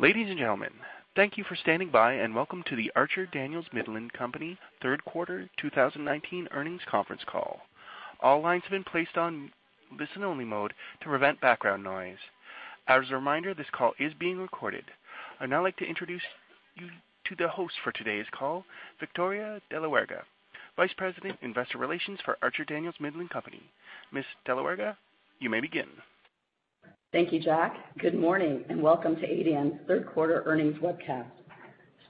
Ladies and gentlemen, thank you for standing by and welcome to the Archer Daniels Midland Company third quarter 2019 earnings conference call. All lines have been placed on listen-only mode to prevent background noise. As a reminder, this call is being recorded. I'd now like to introduce you to the host for today's call, Victoria de la Huerga, Vice President, Investor Relations for Archer Daniels Midland Company. Ms. de la Huerga, you may begin. Thank you, Jack. Good morning and welcome to ADM's third quarter earnings webcast.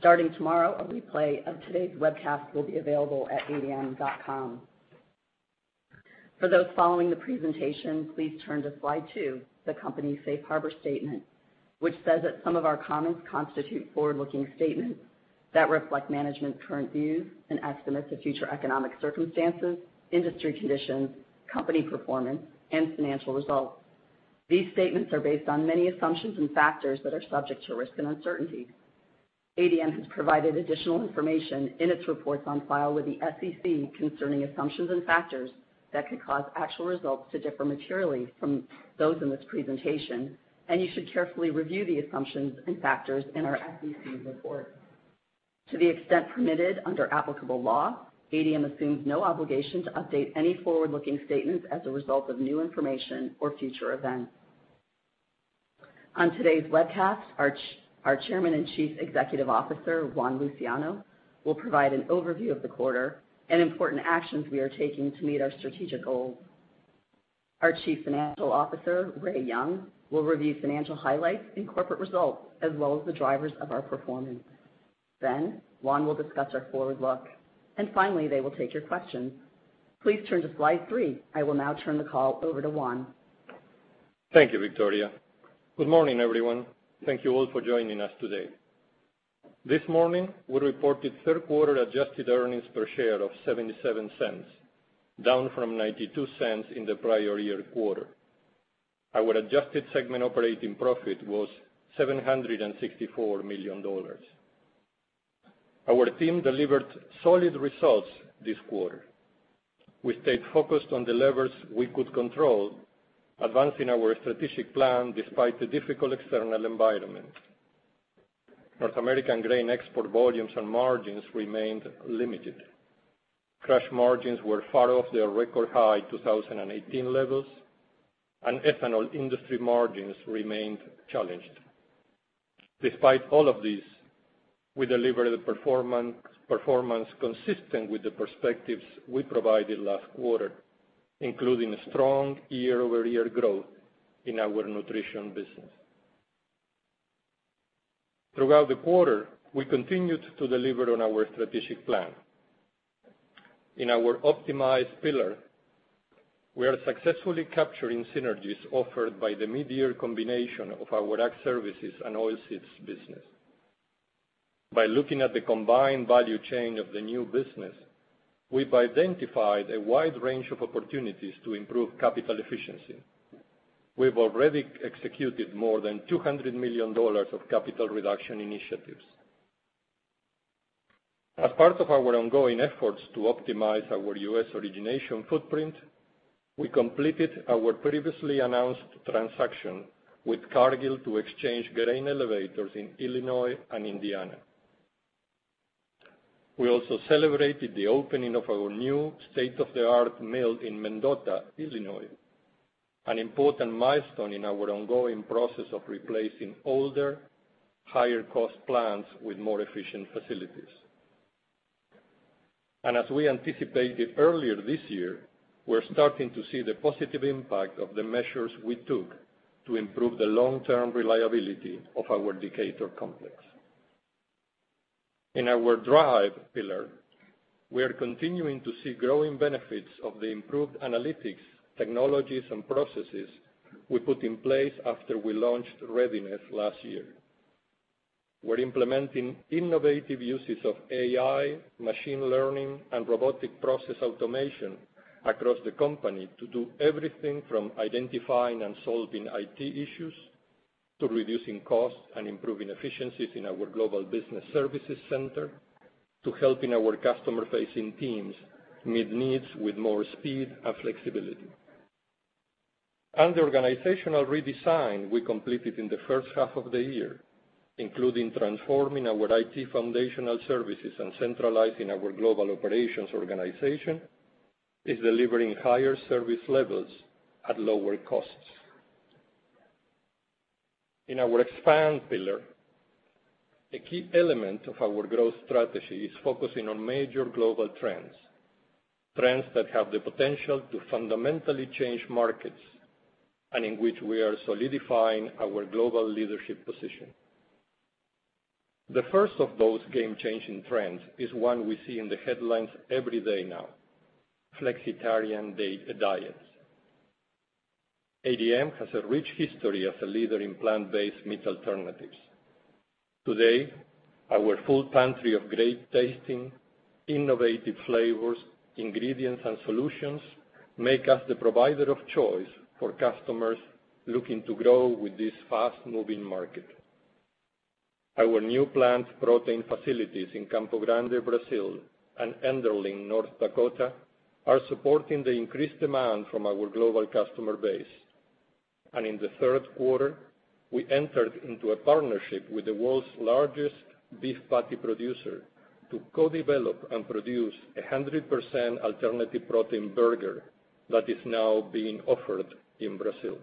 Starting tomorrow, a replay of today's webcast will be available at adm.com. For those following the presentation, please turn to slide two, the company's safe harbor statement, which says that some of our comments constitute forward-looking statements that reflect management's current views and estimates of future economic circumstances, industry conditions, company performance, and financial results. These statements are based on many assumptions and factors that are subject to risk and uncertainty. ADM has provided additional information in its reports on file with the SEC concerning assumptions and factors that could cause actual results to differ materially from those in this presentation, and you should carefully review the assumptions and factors in our SEC report. To the extent permitted under applicable law, ADM assumes no obligation to update any forward-looking statements as a result of new information or future events. On today's webcast, our Chairman and Chief Executive Officer, Juan Luciano, will provide an overview of the quarter and important actions we are taking to meet our strategic goals. Our Chief Financial Officer, Ray Young, will review financial highlights and corporate results, as well as the drivers of our performance. Juan will discuss our forward look. Finally, they will take your questions. Please turn to slide three. I will now turn the call over to Juan. Thank you, Victoria. Good morning, everyone. Thank you all for joining us today. This morning, we reported third-quarter adjusted earnings per share of $0.77, down from $0.92 in the prior year quarter. Our adjusted segment operating profit was $764 million. Our team delivered solid results this quarter. We stayed focused on the levers we could control, advancing our strategic plan despite the difficult external environment. North American grain export volumes and margins remained limited. Crush margins were far off their record-high 2018 levels, and ethanol industry margins remained challenged. Despite all of this, we delivered performance consistent with the perspectives we provided last quarter, including strong year-over-year growth in our Nutrition business. Throughout the quarter, we continued to deliver on our strategic plan. In our optimize pillar, we are successfully capturing synergies offered by the mid-year combination of our Ag Services and Oilseeds business. By looking at the combined value chain of the new business, we've identified a wide range of opportunities to improve capital efficiency. We've already executed more than $200 million of capital reduction initiatives. As part of our ongoing efforts to optimize our U.S. origination footprint, we completed our previously announced transaction with Cargill to exchange grain elevators in Illinois and Indiana. We also celebrated the opening of our new state-of-the-art mill in Mendota, Illinois, an important milestone in our ongoing process of replacing older, higher-cost plants with more efficient facilities. As we anticipated earlier this year, we're starting to see the positive impact of the measures we took to improve the long-term reliability of our Decatur complex. In our drive pillar, we are continuing to see growing benefits of the improved analytics, technologies, and processes we put in place after we launched Readiness last year. We're implementing innovative uses of AI, machine learning, and robotic process automation across the company to do everything from identifying and solving IT issues, to reducing costs and improving efficiencies in our global business services center, to helping our customer-facing teams meet needs with more speed and flexibility. The organizational redesign we completed in the first half of the year, including transforming our IT foundational services and centralizing our global operations organization, is delivering higher service levels at lower costs. In our expand pillar, a key element of our growth strategy is focusing on major global trends that have the potential to fundamentally change markets, and in which we are solidifying our global leadership position. The first of those game-changing trends is one we see in the headlines every day now: flexitarian diets. ADM has a rich history as a leader in plant-based meat alternatives. Today, our full pantry of great-tasting, innovative flavors, ingredients, and solutions make us the provider of choice for customers looking to grow with this fast-moving market. Our new plant protein facilities in Campo Grande, Brazil, and Enderlin, North Dakota, are supporting the increased demand from our global customer base. In the third quarter, we entered into a partnership with the world's largest beef patty producer to co-develop and produce 100% alternative protein burger that is now being offered in Brazil.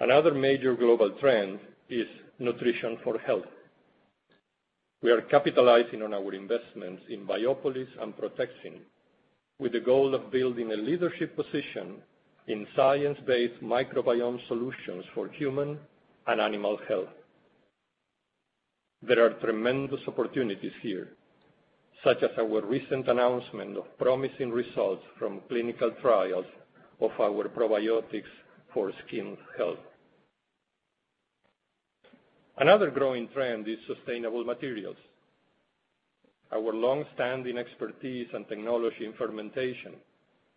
Another major global trend is nutrition for health. We are capitalizing on our investments in Biopolis and Protexin, with the goal of building a leadership position in science-based microbiome solutions for human and animal health. There are tremendous opportunities here, such as our recent announcement of promising results from clinical trials of our probiotics for skin health. Another growing trend is sustainable materials. Our longstanding expertise and technology in fermentation,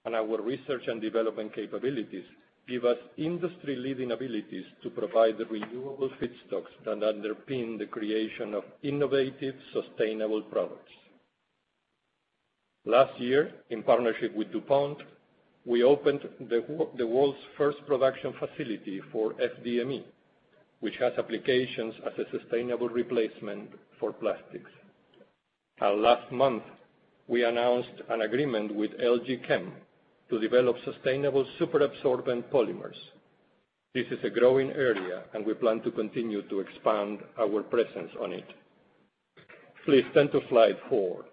and our research and development capabilities, give us industry-leading abilities to provide the renewable feedstocks that underpin the creation of innovative, sustainable products. Last year, in partnership with DuPont, we opened the world's first production facility for FDME, which has applications as a sustainable replacement for plastics. Last month, we announced an agreement with LG Chem to develop sustainable super absorbent polymers. This is a growing area, and we plan to continue to expand our presence on it. Please turn to slide four.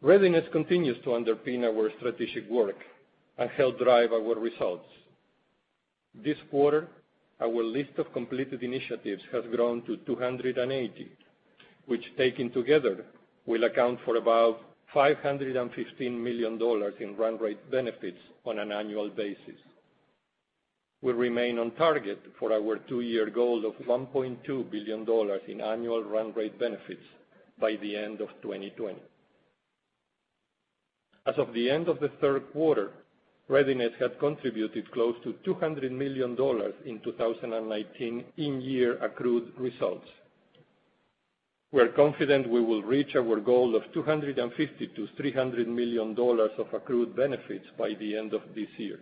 Readiness continues to underpin our strategic work and help drive our results. This quarter, our list of completed initiatives has grown to 280, which, taken together, will account for about $515 million in run rate benefits on an annual basis. We remain on target for our two-year goal of $1.2 billion in annual run rate benefits by the end of 2020. As of the end of the third quarter, Readiness had contributed close to $200 million in 2019 in year accrued results. We're confident we will reach our goal of $250 million-$300 million of accrued benefits by the end of this year.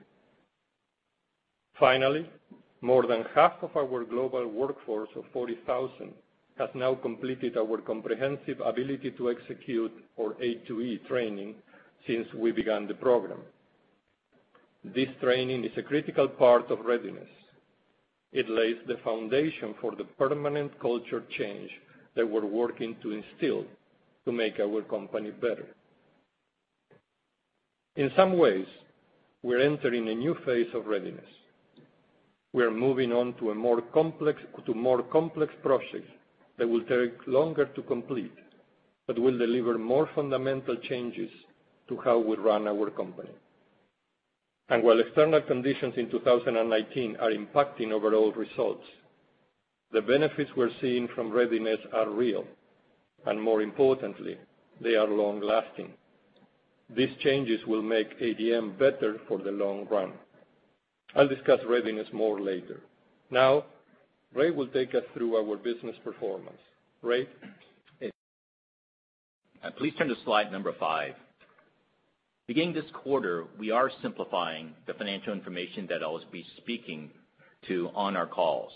More than half of our global workforce of 40,000 has now completed our comprehensive Ability to Execute, or A2E training, since we began the program. This training is a critical part of Readiness. It lays the foundation for the permanent culture change that we're working to instill to make our company better. In some ways, we're entering a new phase of Readiness. We are moving on to more complex projects that will take longer to complete, but will deliver more fundamental changes to how we run our company. While external conditions in 2019 are impacting overall results, the benefits we're seeing from Readiness are real, and more importantly, they are long-lasting. These changes will make ADM better for the long run. I'll discuss Readiness more later. Now, Ray will take us through our business performance. Ray? Please turn to slide number five. Beginning this quarter, we are simplifying the financial information that I'll be speaking to on our calls.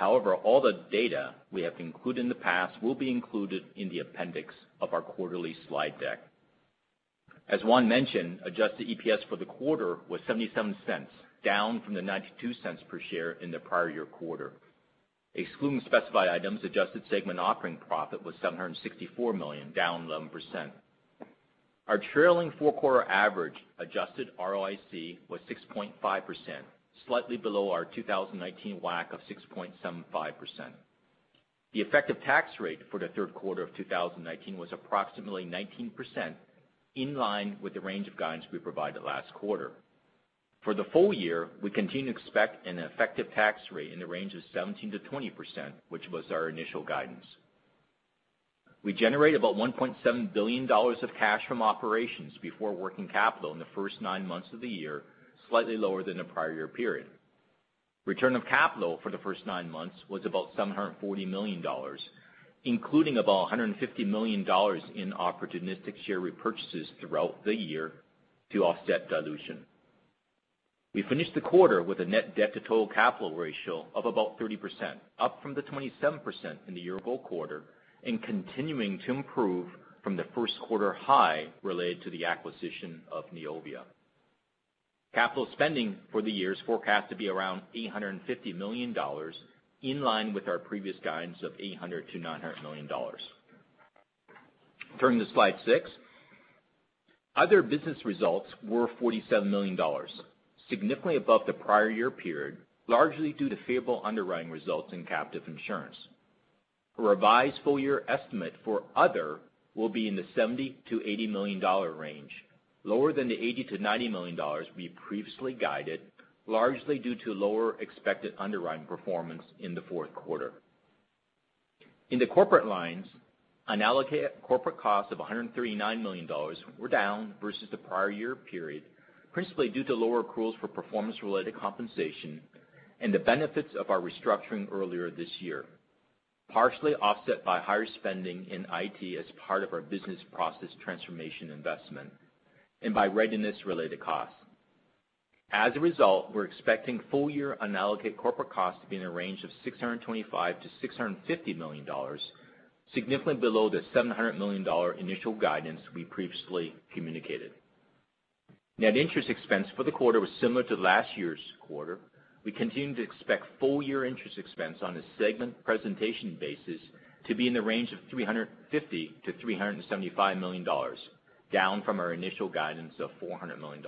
However, all the data we have included in the past will be included in the appendix of our quarterly slide deck. As Juan mentioned, adjusted EPS for the quarter was $0.77, down from the $0.92 per share in the prior year quarter. Excluding specified items, adjusted segment operating profit was $764 million, down 11%. Our trailing four-quarter average adjusted ROIC was 6.5%, slightly below our 2019 WACC of 6.75%. The effective tax rate for the third quarter of 2019 was approximately 19%, in line with the range of guidance we provided last quarter. For the full year, we continue to expect an effective tax rate in the range of 17%-20%, which was our initial guidance. We generated about $1.7 billion of cash from operations before working capital in the first nine months of the year, slightly lower than the prior year period. Return of capital for the first nine months was about $740 million, including about $150 million in opportunistic share repurchases throughout the year to offset dilution. We finished the quarter with a net debt to total capital ratio of about 30%, up from the 27% in the year-ago quarter, and continuing to improve from the first quarter high related to the acquisition of Neovia. Capital spending for the year is forecast to be around $850 million, in line with our previous guidance of $800 million-$900 million. Turning to slide six. Other business results were $47 million, significantly above the prior year period, largely due to favorable underwriting results in captive insurance. A revised full year estimate for other will be in the $70 million-$80 million range, lower than the $80 million-$90 million we previously guided, largely due to lower expected underwriting performance in the fourth quarter. In the corporate lines, unallocated corporate costs of $139 million were down versus the prior year period, principally due to lower accruals for performance-related compensation and the benefits of our restructuring earlier this year, partially offset by higher spending in IT as part of our business process transformation investment and by Readiness-related costs. As a result, we're expecting full-year unallocated corporate costs to be in the range of $625 million-$650 million, significantly below the $700 million initial guidance we previously communicated. Net interest expense for the quarter was similar to last year's quarter. We continue to expect full-year interest expense on a segment presentation basis to be in the range of $350 million-$375 million, down from our initial guidance of $400 million.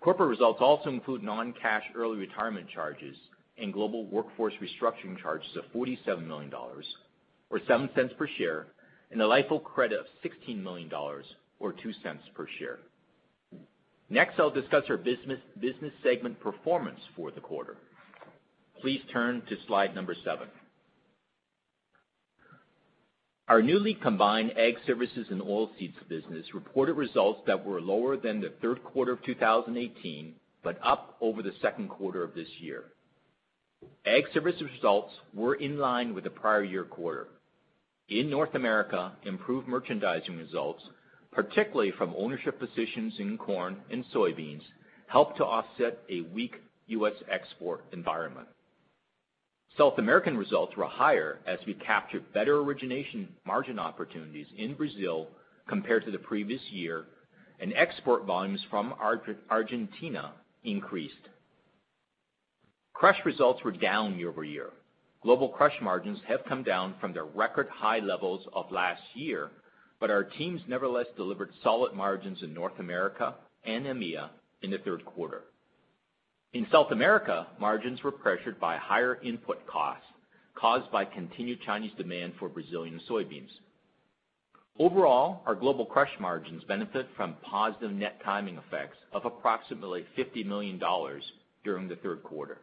Corporate results also include non-cash early retirement charges and global workforce restructuring charges of $47 million, or $0.07 per share, and a LIFO credit of $16 million, or $0.02 per share. I'll discuss our business segment performance for the quarter. Please turn to slide number seven. Our newly combined Ag Services and Oilseeds business reported results that were lower than the third quarter of 2018, but up over the second quarter of this year. Ag Services results were in line with the prior year quarter. In North America, improved merchandising results, particularly from ownership positions in corn and soybeans, helped to offset a weak U.S. export environment. South American results were higher as we captured better origination margin opportunities in Brazil compared to the previous year, and export volumes from Argentina increased. Crush results were down year-over-year. Global crush margins have come down from their record high levels of last year, but our teams nevertheless delivered solid margins in North America and EMEA in the third quarter. In South America, margins were pressured by higher input costs caused by continued Chinese demand for Brazilian soybeans. Overall, our global crush margins benefit from positive net timing effects of approximately $50 million during the third quarter.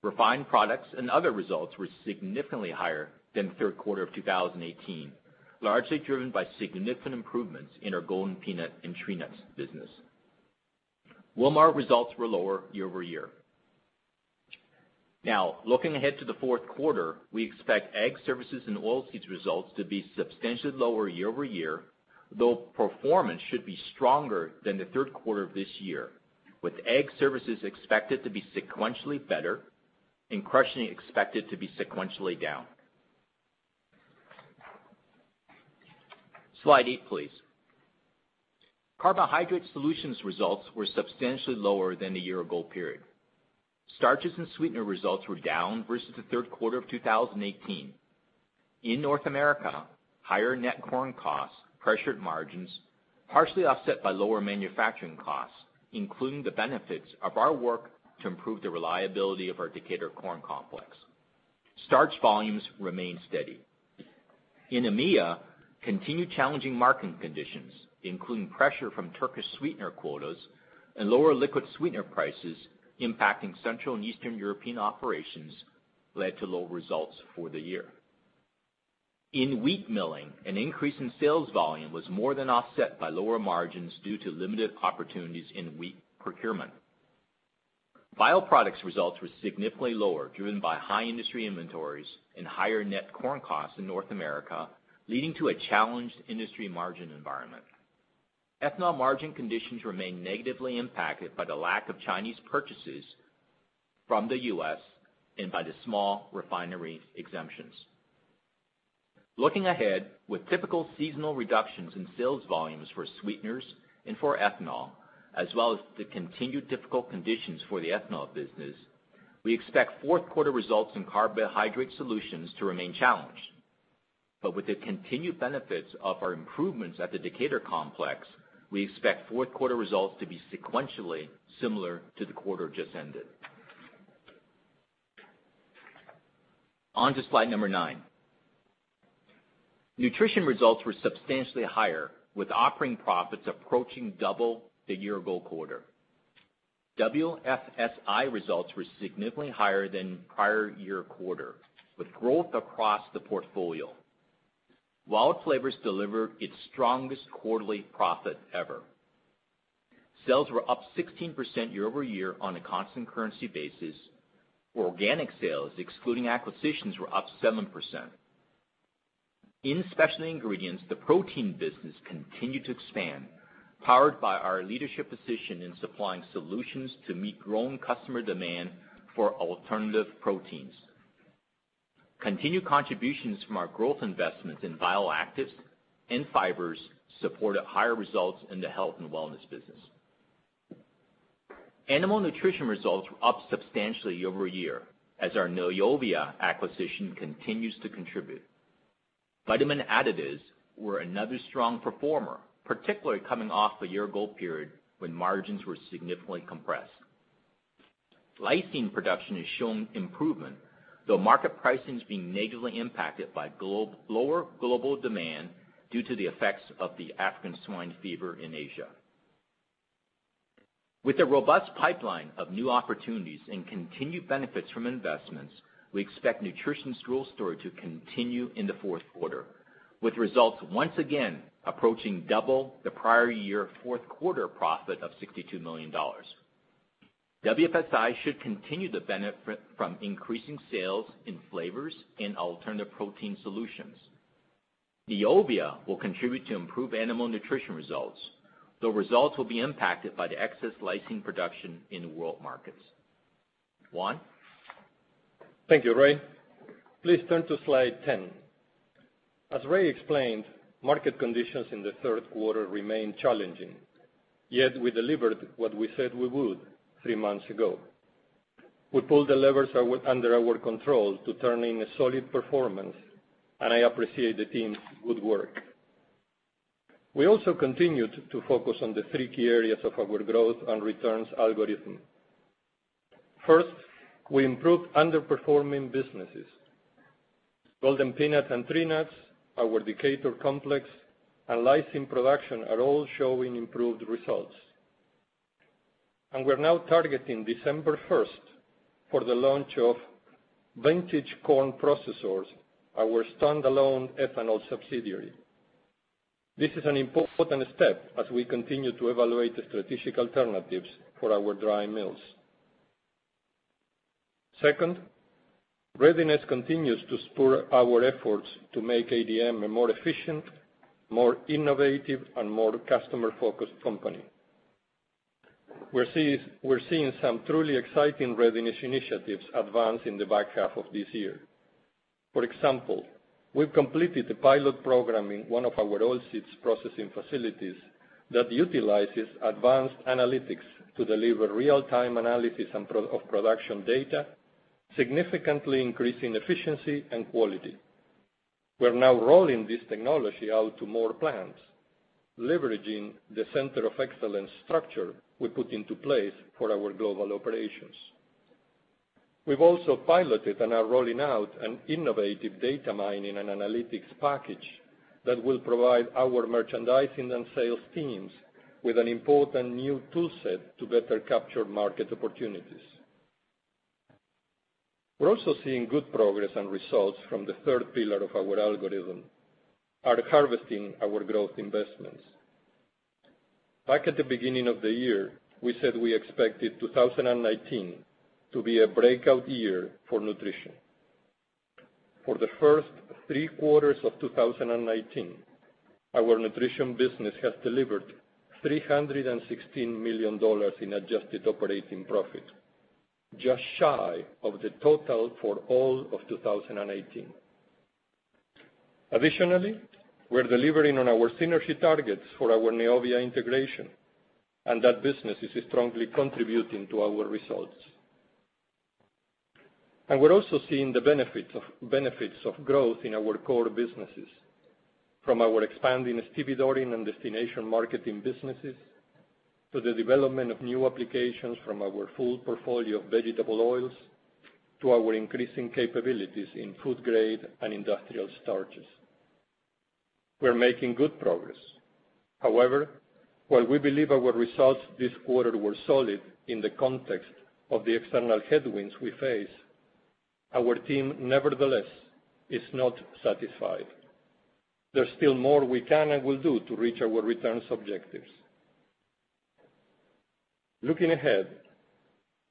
Refined products and other results were significantly higher than the third quarter of 2018, largely driven by significant improvements in our Golden Peanut and Tree Nuts business. Wilmar results were lower year-over-year. Now, looking ahead to the fourth quarter, we expect Ag Services and Oilseeds results to be substantially lower year-over-year, though performance should be stronger than the third quarter of this year, with Ag Services expected to be sequentially better and crushing expected to be sequentially down. Slide eight, please. Carbohydrate Solutions results were substantially lower than the year-ago period. Starches and sweetener results were down versus the third quarter of 2018. In North America, higher net corn costs pressured margins, partially offset by lower manufacturing costs, including the benefits of our work to improve the reliability of our Decatur corn complex. Starch volumes remained steady. In EMEA, continued challenging market conditions, including pressure from Turkish sweetener quotas and lower liquid sweetener prices impacting Central and Eastern European operations, led to low results for the year. In wheat milling, an increase in sales volume was more than offset by lower margins due to limited opportunities in wheat procurement. Bioproducts results were significantly lower, driven by high industry inventories and higher net corn costs in North America, leading to a challenged industry margin environment. Ethanol margin conditions remain negatively impacted by the lack of Chinese purchases from the U.S. and by the small refinery exemptions. Looking ahead, with typical seasonal reductions in sales volumes for sweeteners and for ethanol, as well as the continued difficult conditions for the ethanol business, we expect fourth quarter results in Carbohydrate Solutions to remain challenged. With the continued benefits of our improvements at the Decatur complex, we expect fourth quarter results to be sequentially similar to the quarter just ended. On to slide number nine. Nutrition results were substantially higher, with operating profits approaching double the year-ago quarter. WFSI results were significantly higher than prior year quarter, with growth across the portfolio. WILD Flavors delivered its strongest quarterly profit ever. Sales were up 16% year-over-year on a constant currency basis, where organic sales, excluding acquisitions, were up 7%. In specialty ingredients, the protein business continued to expand, powered by our leadership position in supplying solutions to meet growing customer demand for alternative proteins. Continued contributions from our growth investments in bioactives and fibers supported higher results in the health and wellness business. Animal Nutrition results were up substantially year-over-year, as our Neovia acquisition continues to contribute. Vitamin additives were another strong performer, particularly coming off a year-ago period when margins were significantly compressed. Lysine production has shown improvement, though market pricing is being negatively impacted by lower global demand due to the effects of the African swine fever in Asia. With a robust pipeline of new opportunities and continued benefits from investments, we expect Nutrition's growth story to continue in the fourth quarter, with results once again approaching double the prior year fourth quarter profit of $62 million. WFSI should continue to benefit from increasing sales in flavors and alternative protein solutions. Neovia will contribute to improved animal nutrition results, though results will be impacted by the excess lysine production in world markets. Juan? Thank you, Ray. Please turn to slide 10. As Ray explained, market conditions in the third quarter remained challenging. Yet we delivered what we said we would three months ago. We pulled the levers under our control to turn in a solid performance. I appreciate the team's good work. We also continued to focus on the three key areas of our growth and returns algorithm. First, we improved underperforming businesses. Golden Peanut and Tree Nuts, our Decatur complex, and lysine production are all showing improved results. We're now targeting December 1st for the launch of Vantage Corn Processors, our standalone ethanol subsidiary. This is an important step as we continue to evaluate the strategic alternatives for our dry mills. Second, Readiness continues to spur our efforts to make ADM a more efficient, more innovative, and more customer-focused company. We're seeing some truly exciting Readiness initiatives advance in the back half of this year. For example, we've completed the pilot program in one of our oilseeds processing facilities that utilizes advanced analytics to deliver real-time analysis of production data, significantly increasing efficiency and quality. We're now rolling this technology out to more plants, leveraging the center of excellence structure we put into place for our global operations. We've also piloted and are rolling out an innovative data mining and analytics package that will provide our merchandising and sales teams with an important new tool set to better capture market opportunities. We're also seeing good progress and results from the third pillar of our algorithm, are harvesting our growth investments. Back at the beginning of the year, we said we expected 2019 to be a breakout year for Nutrition. For the first three quarters of 2019, our Nutrition business has delivered $316 million in adjusted operating profit, just shy of the total for all of 2018. We're delivering on our synergy targets for our Neovia integration, and that business is strongly contributing to our results. We're also seeing the benefits of growth in our core businesses, from our expanding stevedoring and destination marketing businesses, to the development of new applications from our full portfolio of vegetable oils, to our increasing capabilities in food grade and industrial starches. We're making good progress. While we believe our results this quarter were solid in the context of the external headwinds we face, our team nevertheless is not satisfied. There's still more we can and will do to reach our returns objectives. Looking ahead,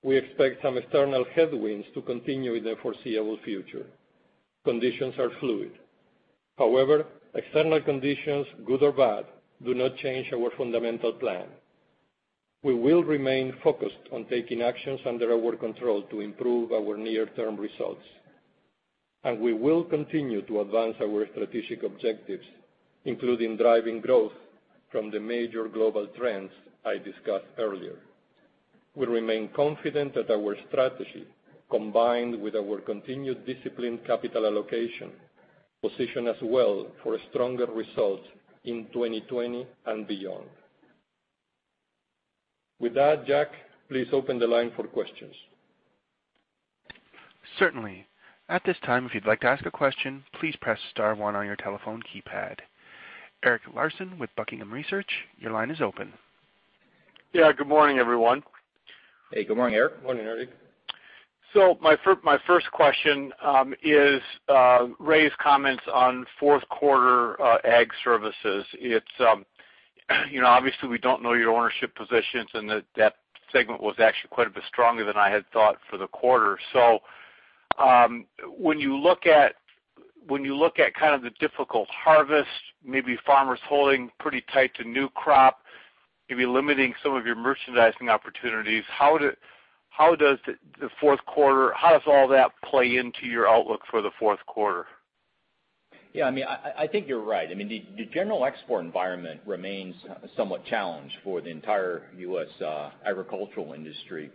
we expect some external headwinds to continue in the foreseeable future. Conditions are fluid. However, external conditions, good or bad, do not change our fundamental plan. We will remain focused on taking actions under our control to improve our near-term results. We will continue to advance our strategic objectives, including driving growth from the major global trends I discussed earlier. We remain confident that our strategy, combined with our continued disciplined capital allocation, position us well for stronger results in 2020 and beyond. With that, Jack, please open the line for questions. Certainly. At this time, if you'd like to ask a question, please press star one on your telephone keypad. Eric Larson with Buckingham Research, your line is open. Yeah, good morning, everyone. Hey, good morning, Eric. Morning, Eric. My first question is Ray's comments on fourth quarter Ag Services. Obviously, we don't know your ownership positions and that segment was actually quite a bit stronger than I had thought for the quarter. When you look at the difficult harvest, maybe farmers holding pretty tight to new crop, maybe limiting some of your merchandising opportunities, how does all that play into your outlook for the fourth quarter? Yeah, I think you're right. The general export environment remains somewhat challenged for the entire U.S. agricultural industry.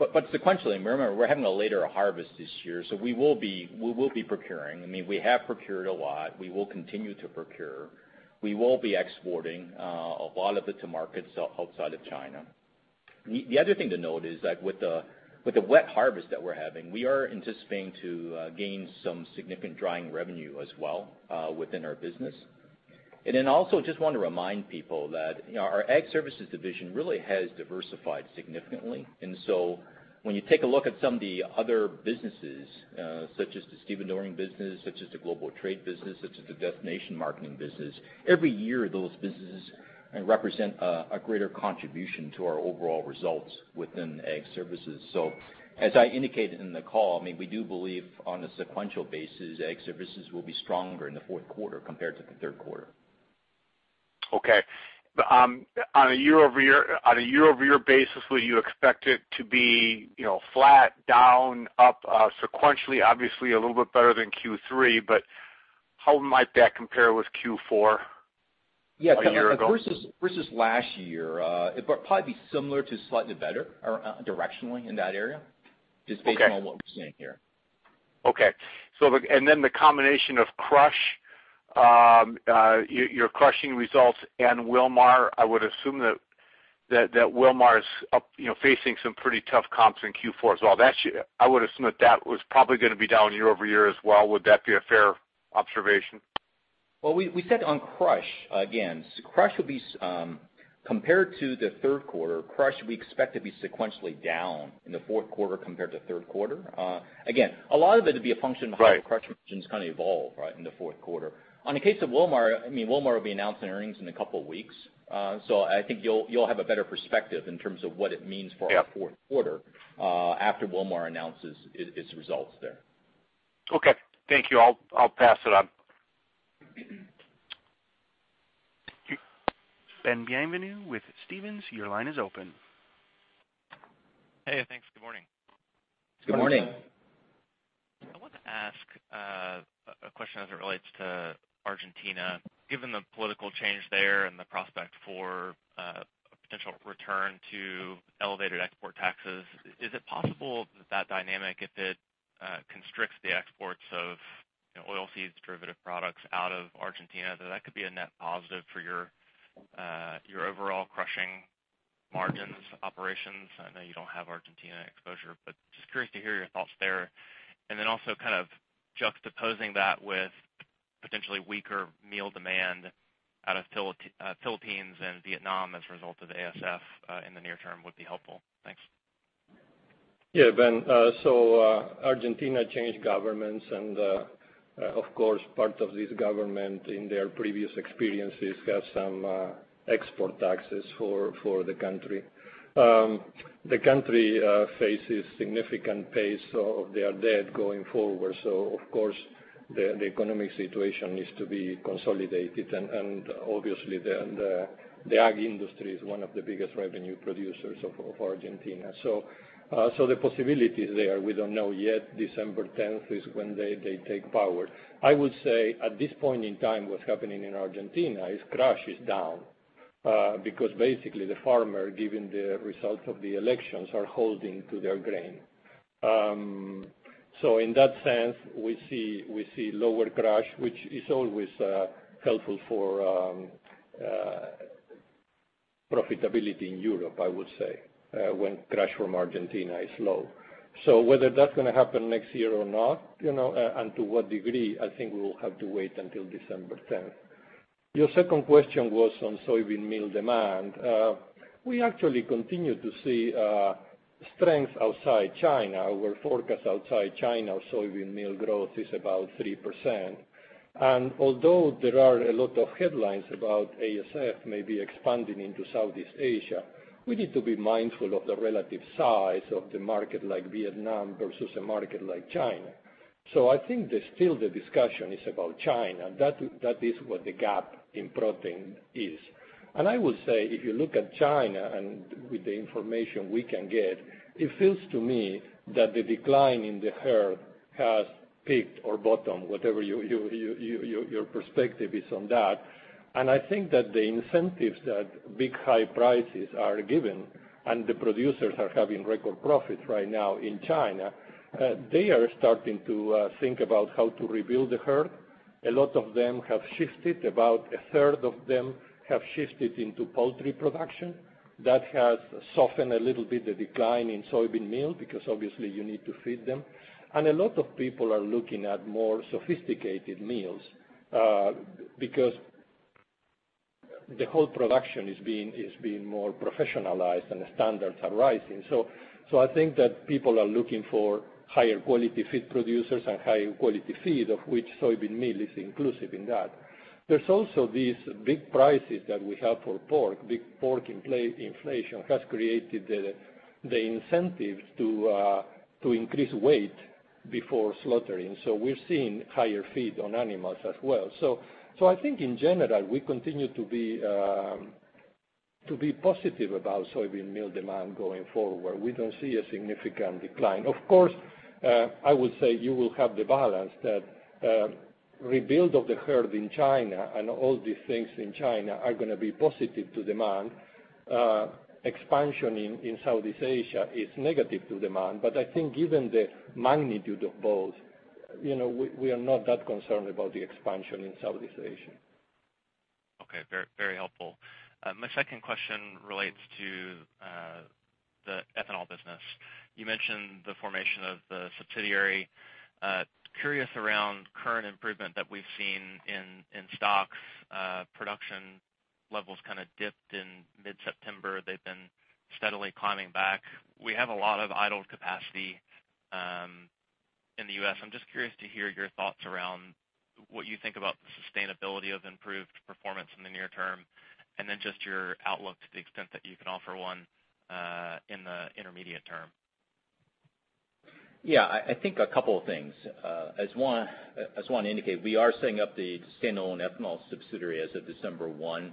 Sequentially, remember, we're having a later harvest this year, so we will be procuring. We have procured a lot. We will continue to procure. We will be exporting a lot of it to markets outside of China. The other thing to note is that with the wet harvest that we're having, we are anticipating to gain some significant drying revenue as well within our business. Also just want to remind people that our Ag Services division really has diversified significantly. When you take a look at some of the other businesses, such as the stevedoring business, such as the global trade business, such as the destination marketing business, every year those businesses represent a greater contribution to our overall results within Ag Services. As I indicated in the call, we do believe on a sequential basis, Ag Services will be stronger in the fourth quarter compared to the third quarter. Okay. On a year-over-year basis, will you expect it to be flat, down, up sequentially, obviously a little bit better than Q3, but how might that compare with Q4 a year ago? Versus last year, it will probably be similar to slightly better directionally in that area, just based on what we're seeing here. Okay. The combination of crush, your crushing results and Wilmar, I would assume that Wilmar's facing some pretty tough comps in Q4 as well. I would assume that that was probably going to be down year-over-year as well. Would that be a fair observation? Well, we said on crush, again, compared to the third quarter, crush, we expect to be sequentially down in the fourth quarter compared to third quarter. Again, a lot of it will be a function of how crush margins kind of evolve in the fourth quarter. On the case of Wilmar will be announcing earnings in a couple of weeks. I think you'll have a better perspective in terms of what it means for our fourth quarter after Wilmar announces its results there. Okay. Thank you. I'll pass it on. Ben Bienvenu with Stephens, your line is open. Hey, thanks. Good morning. Good morning. I wanted to ask a question as it relates to Argentina. Given the political change there and the prospect for a potential return to elevated export taxes, is it possible that dynamic, if it constricts the exports of oilseeds derivative products out of Argentina, that that could be a net positive for your overall crushing margins operations? I know you don't have Argentina exposure, but just curious to hear your thoughts there. Then also kind of juxtaposing that with potentially weaker meal demand out of Philippines and Vietnam as a result of ASF in the near term would be helpful. Thanks. Yeah, Ben. Argentina changed governments. Part of this government in their previous experiences has some export taxes for the country. The country faces significant pace of their debt going forward. The economic situation needs to be consolidated. Obviously, the ag industry is one of the biggest revenue producers of Argentina. The possibility is there. We don't know yet. December 10th is when they take power. I would say at this point in time, what's happening in Argentina is crush is down, because basically the farmer, given the results of the elections, are holding to their grain. In that sense, we see lower crush, which is always helpful for profitability in Europe, I would say, when crush from Argentina is low. Whether that's going to happen next year or not, and to what degree, I think we will have to wait until December 10th. Your second question was on soybean meal demand. We actually continue to see strength outside China. Our forecast outside China of soybean meal growth is about 3%. Although there are a lot of headlines about ASF maybe expanding into Southeast Asia, we need to be mindful of the relative size of the market like Vietnam versus a market like China. I think that still the discussion is about China. That is what the gap in protein is. I would say if you look at China and with the information we can get, it feels to me that the decline in the herd has peaked or bottomed, whatever your perspective is on that. I think that the incentives that big high prices are giving, and the producers are having record profits right now in China, they are starting to think about how to rebuild the herd. A lot of them have shifted. About a third of them have shifted into poultry production. That has softened a little bit the decline in soybean meal, because obviously you need to feed them. A lot of people are looking at more sophisticated meals, because the whole production is being more professionalized and the standards are rising. I think that people are looking for higher quality feed producers and higher quality feed, of which soybean meal is inclusive in that. There's also these big prices that we have for pork. Big pork inflation has created the incentive to increase weight before slaughtering. We're seeing higher feed on animals as well. I think in general, we continue to be positive about soybean meal demand going forward. We don't see a significant decline. Of course, I would say you will have the balance that rebuild of the herd in China and all these things in China are going to be positive to demand. Expansion in Southeast Asia is negative to demand. I think given the magnitude of both, we are not that concerned about the expansion in Southeast Asia. Okay. Very helpful. My second question relates to the ethanol business. You mentioned the formation of the subsidiary. Curious around current improvement that we've seen in stocks. Production levels kind of dipped in mid-September. They've been steadily climbing back. We have a lot of idle capacity in the U.S. I'm just curious to hear your thoughts around what you think about the sustainability of improved performance in the near term, and then just your outlook to the extent that you can offer one in the intermediate term. I think a couple of things. As Juan indicated, we are setting up the standalone ethanol subsidiary as of December 1.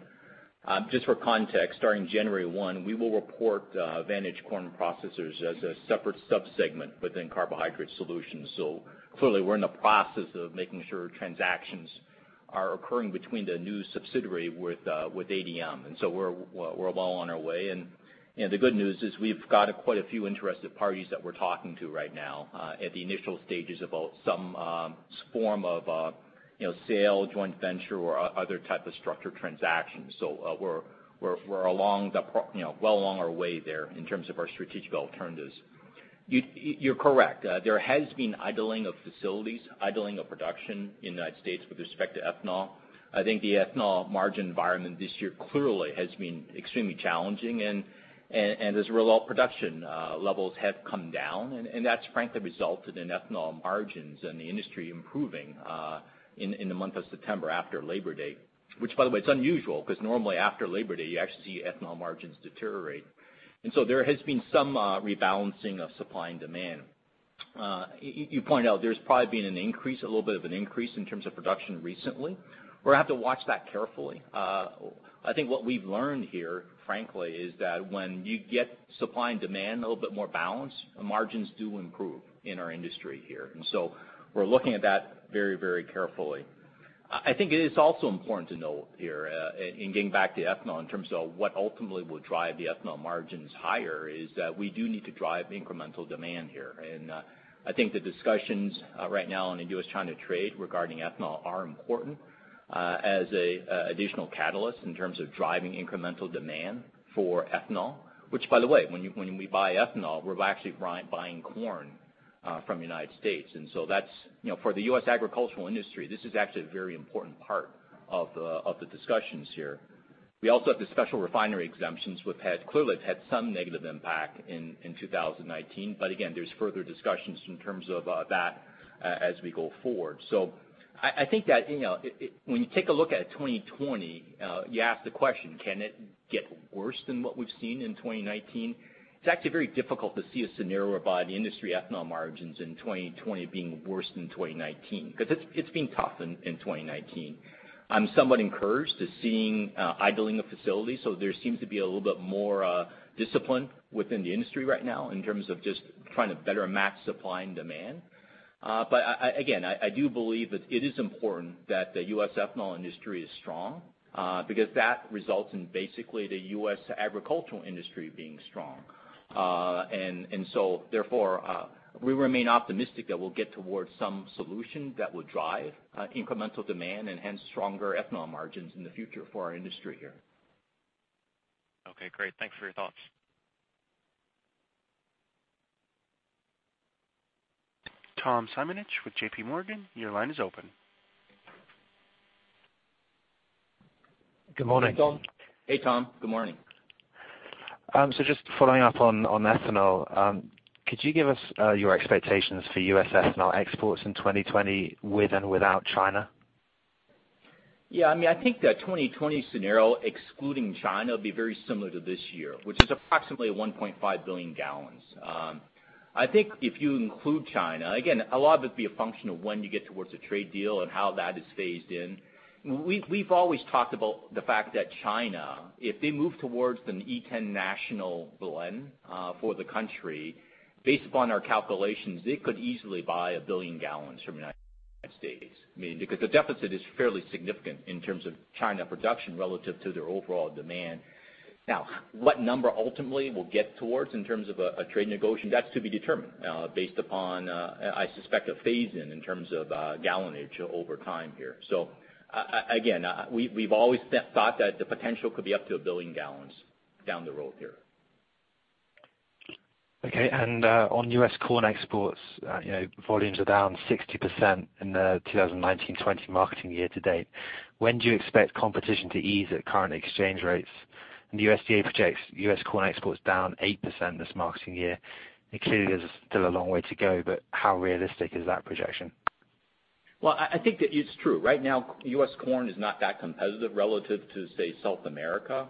Just for context, starting January 1, we will report Vantage Corn Processors as a separate sub-segment within Carbohydrate Solutions. Clearly, we're in the process of making sure transactions are occurring between the new subsidiary with ADM, and so we're well on our way. The good news is we've got quite a few interested parties that we're talking to right now at the initial stages about some form of sale, joint venture, or other type of structured transaction. We're well along our way there in terms of our strategic alternatives. You're correct. There has been idling of facilities, idling of production in the U.S. with respect to ethanol. I think the ethanol margin environment this year clearly has been extremely challenging, and as a result, production levels have come down, and that's frankly resulted in ethanol margins and the industry improving in the month of September after Labor Day. Which, by the way, it's unusual because normally after Labor Day, you actually see ethanol margins deteriorate. There has been some rebalancing of supply and demand. You point out there's probably been an increase, a little bit of an increase in terms of production recently. We'll have to watch that carefully. I think what we've learned here, frankly, is that when you get supply and demand a little bit more balanced, margins do improve in our industry here. We're looking at that very carefully. I think it is also important to note here, in getting back to ethanol, in terms of what ultimately will drive the ethanol margins higher, is that we do need to drive incremental demand here. I think the discussions right now on the U.S.-China trade regarding ethanol are important as an additional catalyst in terms of driving incremental demand for ethanol. Which, by the way, when we buy ethanol, we're actually buying corn from the United States. For the U.S. agricultural industry, this is actually a very important part of the discussions here. We also have the special refinery exemptions, which clearly it's had some negative impact in 2019. Again, there's further discussions in terms of that as we go forward. I think that when you take a look at 2020, you ask the question, can it get worse than what we've seen in 2019? It's actually very difficult to see a scenario by the industry ethanol margins in 2020 being worse than 2019, because it's been tough in 2019. I'm somewhat encouraged to seeing idling of facilities. There seems to be a little bit more discipline within the industry right now in terms of just trying to better match supply and demand. Again, I do believe that it is important that the U.S. ethanol industry is strong, because that results in basically the U.S. agricultural industry being strong. Therefore, we remain optimistic that we'll get towards some solution that will drive incremental demand and hence stronger ethanol margins in the future for our industry here. Okay, great. Thanks for your thoughts. Tom Simonitsch with JPMorgan, your line is open. Good morning. Hey, Tom. Good morning. Just following up on ethanol. Could you give us your expectations for U.S. ethanol exports in 2020 with and without China? Yeah. I think the 2020 scenario, excluding China, will be very similar to this year, which is approximately 1.5 billion gallons. I think if you include China, again, a lot of it'd be a function of when you get towards a trade deal and how that is phased in. We've always talked about the fact that China, if they move towards an E10 national blend for the country, based upon our calculations, they could easily buy 1 billion gallons from the United States. The deficit is fairly significant in terms of China production relative to their overall demand. What number ultimately we'll get towards in terms of a trade negotiation? That's to be determined based upon, I suspect, a phase-in in terms of gallonage over time here. Again, we've always thought that the potential could be up to 1 billion gallons down the road here. Okay. On U.S. corn exports, volumes are down 60% in the 2019/2020 marketing year to date. When do you expect competition to ease at current exchange rates? The USDA projects U.S. corn exports down 8% this marketing year. Clearly, there's still a long way to go, but how realistic is that projection? Well, I think that it's true. Right now, U.S. corn is not that competitive relative to, say, South America.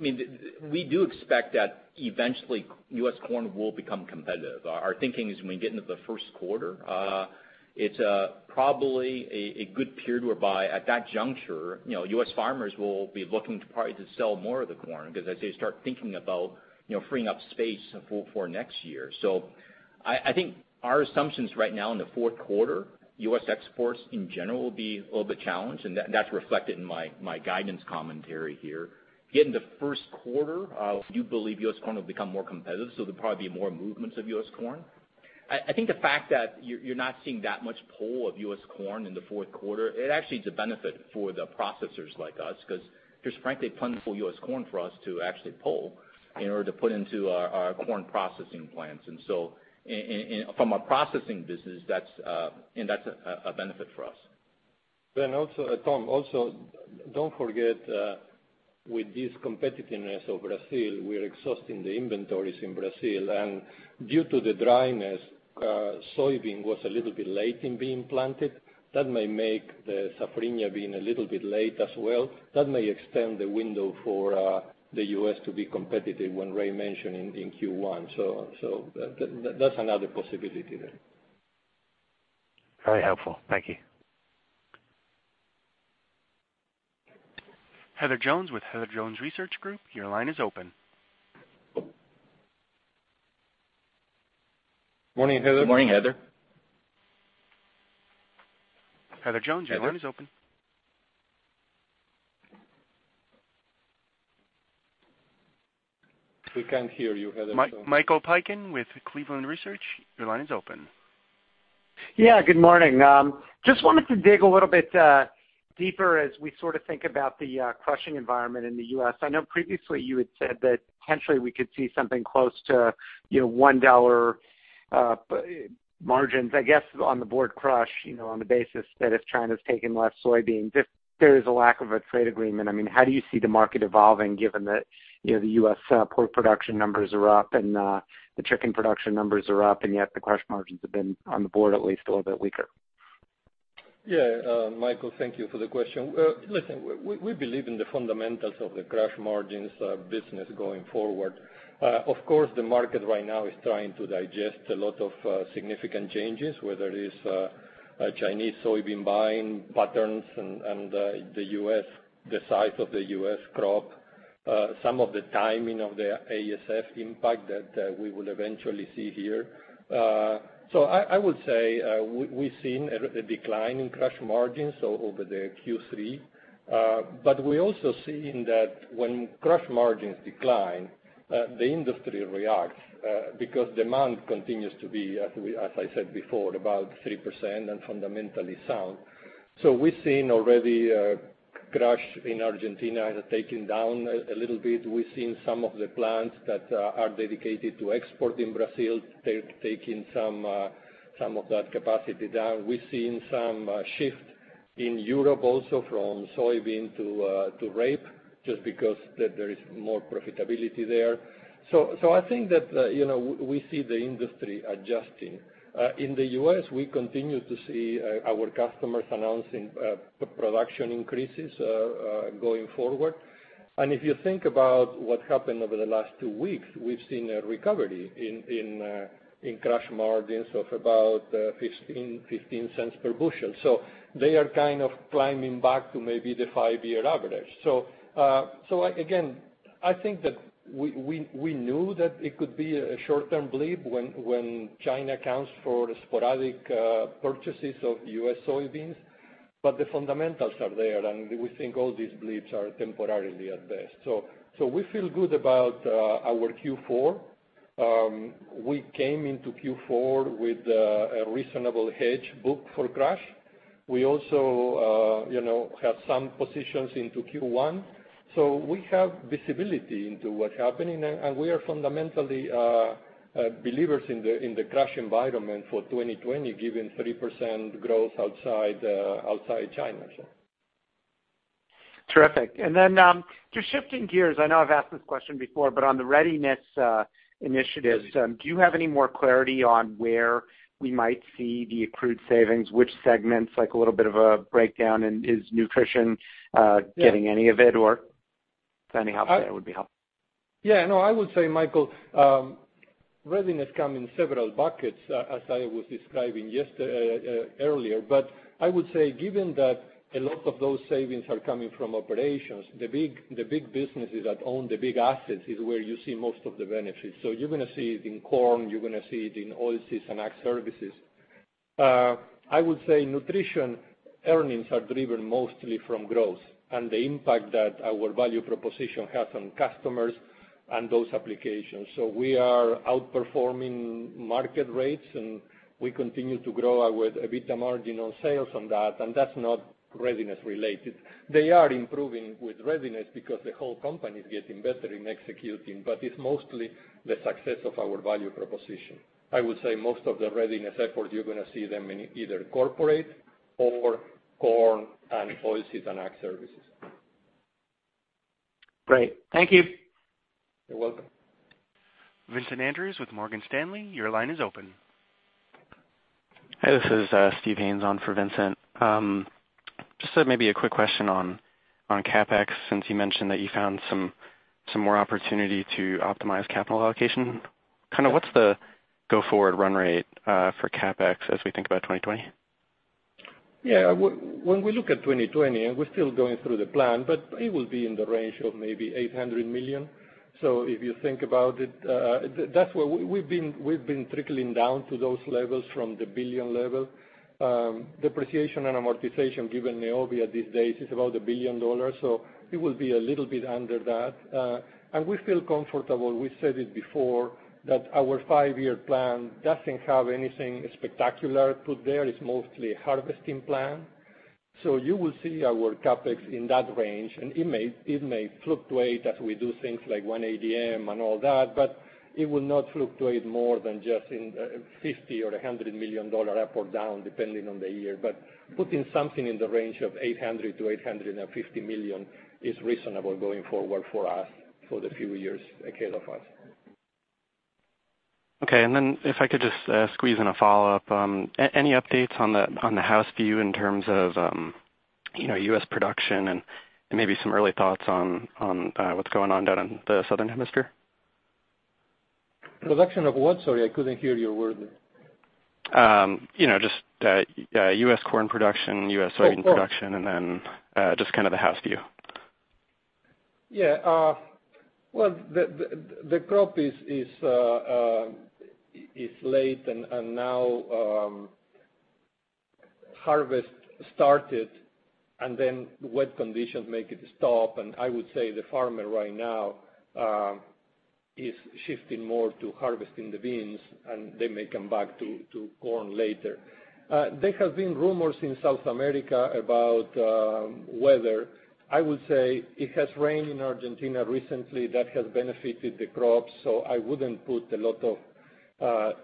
We do expect that eventually U.S. corn will become competitive. Our thinking is when we get into the first quarter, it's probably a good period whereby at that juncture, U.S. farmers will be looking probably to sell more of the corn because as they start thinking about freeing up space for next year. I think our assumptions right now in the fourth quarter, U.S. exports in general will be a little bit challenged, and that's reflected in my guidance commentary here. Get into the first quarter, I do believe U.S. corn will become more competitive. There'll probably be more movements of U.S. corn. I think the fact that you're not seeing that much pull of U.S. corn in the fourth quarter, it actually is a benefit for the processors like us, because there's frankly plentiful U.S. corn for us to actually pull in order to put into our corn processing plants. From a processing business, that's a benefit for us. Also, Tom, don't forget, with this competitiveness of Brazil, we are exhausting the inventories in Brazil. Due to the dryness, soybean was a little bit late in being planted. That may make the safrinha bean a little bit late as well. That may extend the window for the U.S. to be competitive, when Ray mentioned in Q1. That's another possibility there. Very helpful. Thank you. Heather Jones with Heather Jones Research Group, your line is open. Morning, Heather. Good morning, Heather. Heather Jones, your line is open. We can't hear you, Heather, so. Michael Piken with Cleveland Research, your line is open. Yeah, good morning. Just wanted to dig a little bit deeper as we sort of think about the crushing environment in the U.S. I know previously you had said that potentially we could see something close to $1 margins, I guess, on the board crush, on the basis that if China's taking less soybeans, if there is a lack of a trade agreement. How do you see the market evolving given that the U.S. pork production numbers are up, and the chicken production numbers are up, and yet the crush margins have been, on the board at least, a little bit weaker? Michael, thank you for the question. Listen, we believe in the fundamentals of the crush margins business going forward. Of course, the market right now is trying to digest a lot of significant changes, whether it is Chinese soybean buying patterns and the size of the U.S. crop. Some of the timing of the ASF impact that we will eventually see here. I would say, we've seen a decline in crush margins over the Q3. We also seen that when crush margins decline, the industry reacts, because demand continues to be, as I said before, about 3% and fundamentally sound. We've seen already crush in Argentina has taken down a little bit. We've seen some of the plants that are dedicated to export in Brazil, taking some of that capacity down. We've seen some shift in Europe also from soybean to rape, just because there is more profitability there. I think that we see the industry adjusting. In the U.S., we continue to see our customers announcing production increases going forward. If you think about what happened over the last two weeks, we've seen a recovery in crush margins of about $0.15 per bushel. They are kind of climbing back to maybe the five-year average. Again, I think that we knew that it could be a short-term blip when China accounts for the sporadic purchases of U.S. soybeans, but the fundamentals are there, and we think all these blips are temporarily at best. We feel good about our Q4. We came into Q4 with a reasonable hedge book for crush. We also have some positions into Q1, so we have visibility into what's happening, and we are fundamentally believers in the crush environment for 2020, given 3% growth outside China. Terrific. Just shifting gears, I know I've asked this question before, but on the Readiness initiatives, do you have any more clarity on where we might see the accrued savings? Which segments, like a little bit of a breakdown, and is Nutrition getting any of it, or if there's any help there, it would be helpful. Yeah, no, I would say, Michael, Readiness come in several buckets, as I was describing earlier. I would say, given that a lot of those savings are coming from operations, the big businesses that own the big assets is where you see most of the benefits. You're going to see it in corn, you're going to see it in Oilseeds and Ag Services. I would say Nutrition earnings are driven mostly from growth and the impact that our value proposition has on customers and those applications. We are outperforming market rates, and we continue to grow our EBITDA margin on sales on that, and that's not Readiness related. They are improving with Readiness because the whole company is getting better in executing, but it's mostly the success of our value proposition. I would say most of the Readiness effort, you're going to see them in either corporate or Corn and Oilseeds and Ag Services. Great. Thank you. You're welcome. Vincent Andrews with Morgan Stanley, your line is open. Hi, this is Steve Haynes on for Vincent. Just maybe a quick question on CapEx, since you mentioned that you found some more opportunity to optimize capital allocation. What's the go forward run rate for CapEx as we think about 2020? Yeah. When we look at 2020, we're still going through the plan, it will be in the range of maybe $800 million. If you think about it, we've been trickling down to those levels from the $1 billion level. Depreciation and amortization, given Neovia these days, is about $1 billion, so it will be a little bit under that. We feel comfortable, we said it before, that our five-year plan doesn't have anything spectacular put there. It's mostly a harvesting plan. You will see our CapEx in that range, and it may fluctuate as we do things like One ADM and all that, but it will not fluctuate more than just in $50 or $100 million up or down, depending on the year. Putting something in the range of $800 million-$850 million is reasonable going forward for us for the few years ahead of us. If I could just squeeze in a follow-up. Any updates on the house view in terms of U.S. production and maybe some early thoughts on what's going on down in the southern hemisphere? Production of what? Sorry, I couldn't hear your word. Just U.S. corn production, U.S. soybean production. Oh, of course. Just kind of the house view. Yeah. Well, the crop is late, and now harvest started, and then wet conditions make it stop. I would say the farmer right now is shifting more to harvesting the beans, and they may come back to corn later. There have been rumors in South America about weather. I would say it has rained in Argentina recently. That has benefited the crops, so I wouldn't put a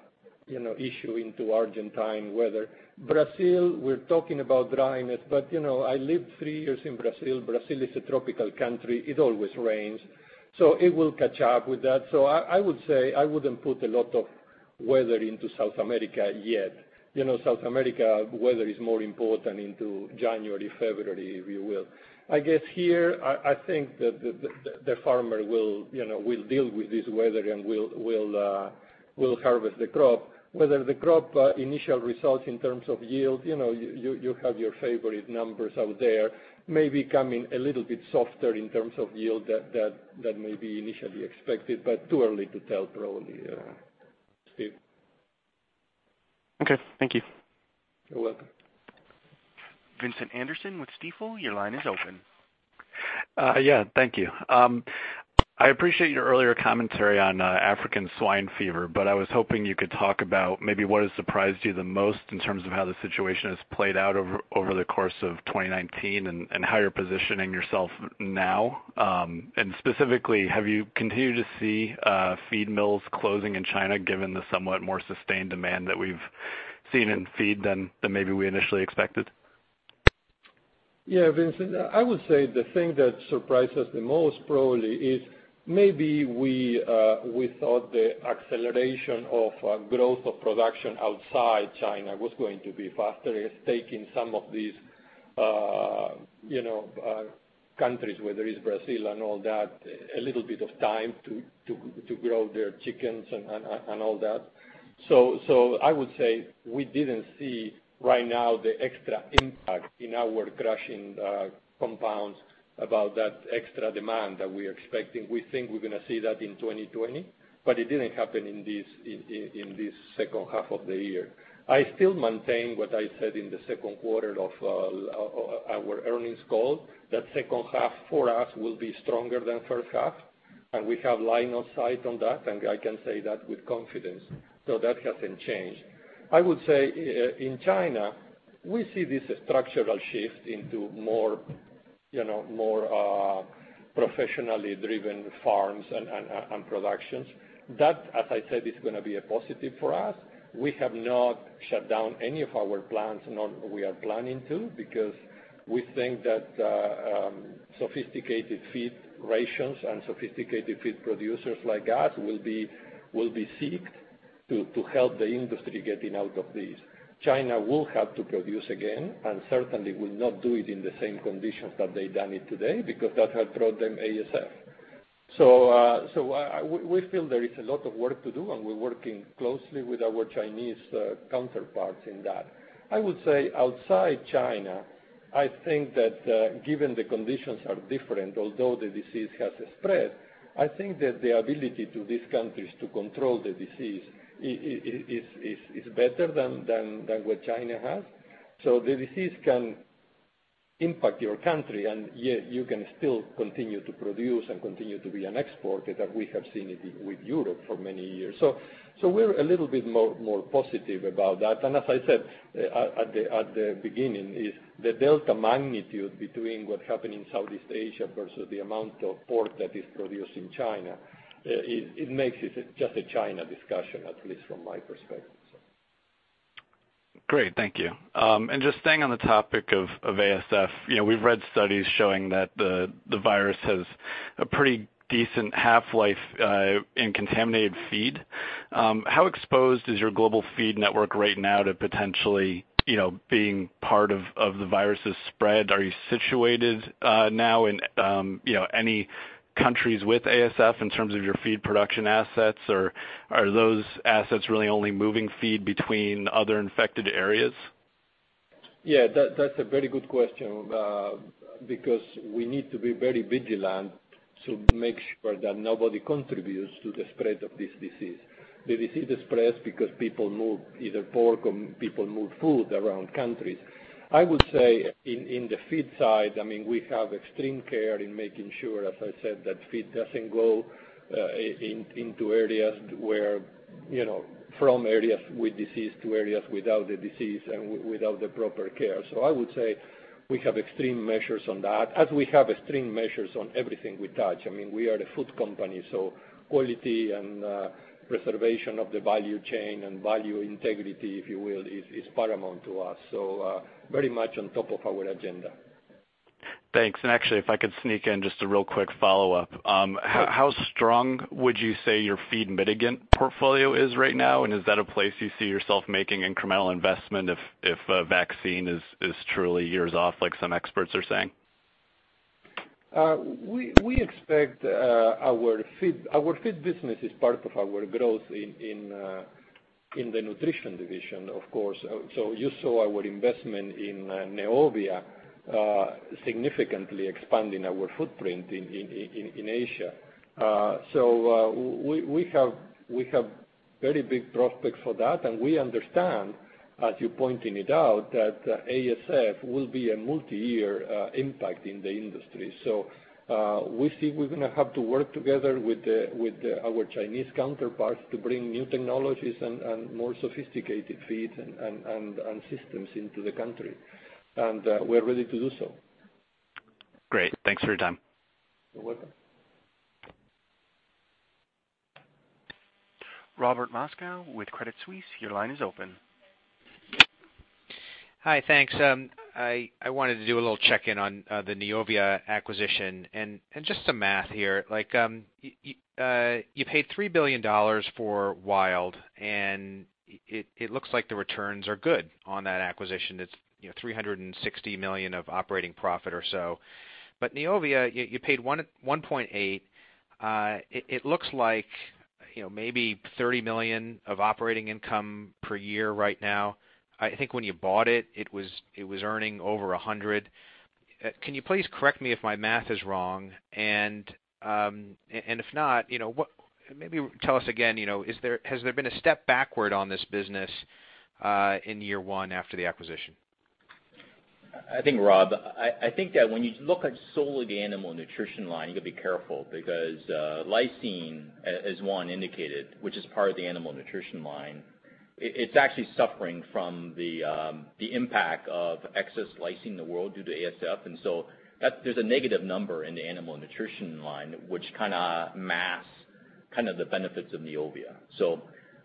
lot of issue into Argentine weather. Brazil, we're talking about dryness. I lived three years in Brazil. Brazil is a tropical country. It always rains. It will catch up with that. I would say I wouldn't put a lot of weather into South America yet. South America weather is more important into January, February, if you will. I guess here, I think the farmer will deal with this weather and will harvest the crop. Whether the crop initial results in terms of yield, you have your favorite numbers out there, may be coming a little bit softer in terms of yield than may be initially expected. Too early to tell, probably, Steve. Okay. Thank you. You're welcome. Vincent Anderson with Stifel, your line is open. Yeah, thank you. I appreciate your earlier commentary on African swine fever, but I was hoping you could talk about maybe what has surprised you the most in terms of how the situation has played out over the course of 2019 and how you're positioning yourself now. Specifically, have you continued to see feed mills closing in China, given the somewhat more sustained demand that we've seen in feed than maybe we initially expected? Yeah, Vincent, I would say the thing that surprised us the most probably is maybe we thought the acceleration of growth of production outside China was going to be faster. It's taking some of these countries where there is Brazil and all that, a little bit of time to grow their chickens and all that. I would say we didn't see right now the extra impact in our crushing compounds about that extra demand that we're expecting. We think we're going to see that in 2020, but it didn't happen in this second half of the year. I still maintain what I said in the second quarter of our earnings call, that second half for us will be stronger than first half, and we have line of sight on that, and I can say that with confidence. That hasn't changed. I would say, in China, we see this structural shift into more professionally driven farms and productions. That, as I said, is going to be a positive for us. We have not shut down any of our plants, nor we are planning to, because we think that sophisticated feed rations and sophisticated feed producers like us will be sought to help the industry getting out of this. China will have to produce again, and certainly will not do it in the same conditions that they've done it today, because that has brought them ASF. We feel there is a lot of work to do, and we're working closely with our Chinese counterparts in that. I would say outside China, I think that given the conditions are different, although the disease has spread, I think that the ability to these countries to control the disease is better than what China has. The disease can impact your country, and yet you can still continue to produce and continue to be an exporter that we have seen it with Europe for many years. We're a little bit more positive about that. As I said at the beginning, is the delta magnitude between what happened in Southeast Asia versus the amount of pork that is produced in China, it makes it just a China discussion, at least from my perspective. Great. Thank you. Just staying on the topic of ASF, we've read studies showing that the virus has a pretty decent half-life in contaminated feed. How exposed is your global feed network right now to potentially being part of the virus's spread? Are you situated now in any countries with ASF in terms of your feed production assets, or are those assets really only moving feed between other infected areas? We need to be very vigilant to make sure that nobody contributes to the spread of this disease. The disease spreads because people move either pork or people move food around countries. I would say in the feed side, we have extreme care in making sure, as I said, that feed doesn't go from areas with disease to areas without the disease and without the proper care. I would say we have extreme measures on that, as we have extreme measures on everything we touch. We are a food company, quality and preservation of the value chain and value integrity, if you will, is paramount to us. Very much on top of our agenda. Thanks. Actually, if I could sneak in just a real quick follow-up. How strong would you say your feed mitigant portfolio is right now? Is that a place you see yourself making incremental investment if a vaccine is truly years off, like some experts are saying? Our feed business is part of our growth in the Nutrition division, of course. You saw our investment in Neovia significantly expanding our footprint in Asia. We have very big prospects for that, and we understand, as you're pointing it out, that ASF will be a multi-year impact in the industry. We think we're going to have to work together with our Chinese counterparts to bring new technologies and more sophisticated feeds and systems into the country. We're ready to do so. Great. Thanks for your time. You're welcome. Robert Moskow with Credit Suisse, your line is open. Hi, thanks. I wanted to do a little check-in on the Neovia acquisition, and just some math here. You paid $3 billion for WILD, and it looks like the returns are good on that acquisition. It's $360 million of operating profit or so. Neovia, you paid $1.8. It looks like maybe $30 million of operating income per year right now. I think when you bought it was earning over $100. Can you please correct me if my math is wrong? If not, maybe tell us again, has there been a step backward on this business in year one after the acquisition? I think, Rob, that when you look at solely the Animal Nutrition line, you got to be careful because lysine, as Juan indicated, which is part of the Animal Nutrition line, it's actually suffering from the impact of excess lysine in the world due to ASF. There's a negative number in the Animal Nutrition line, which kind of masks the benefits of Neovia.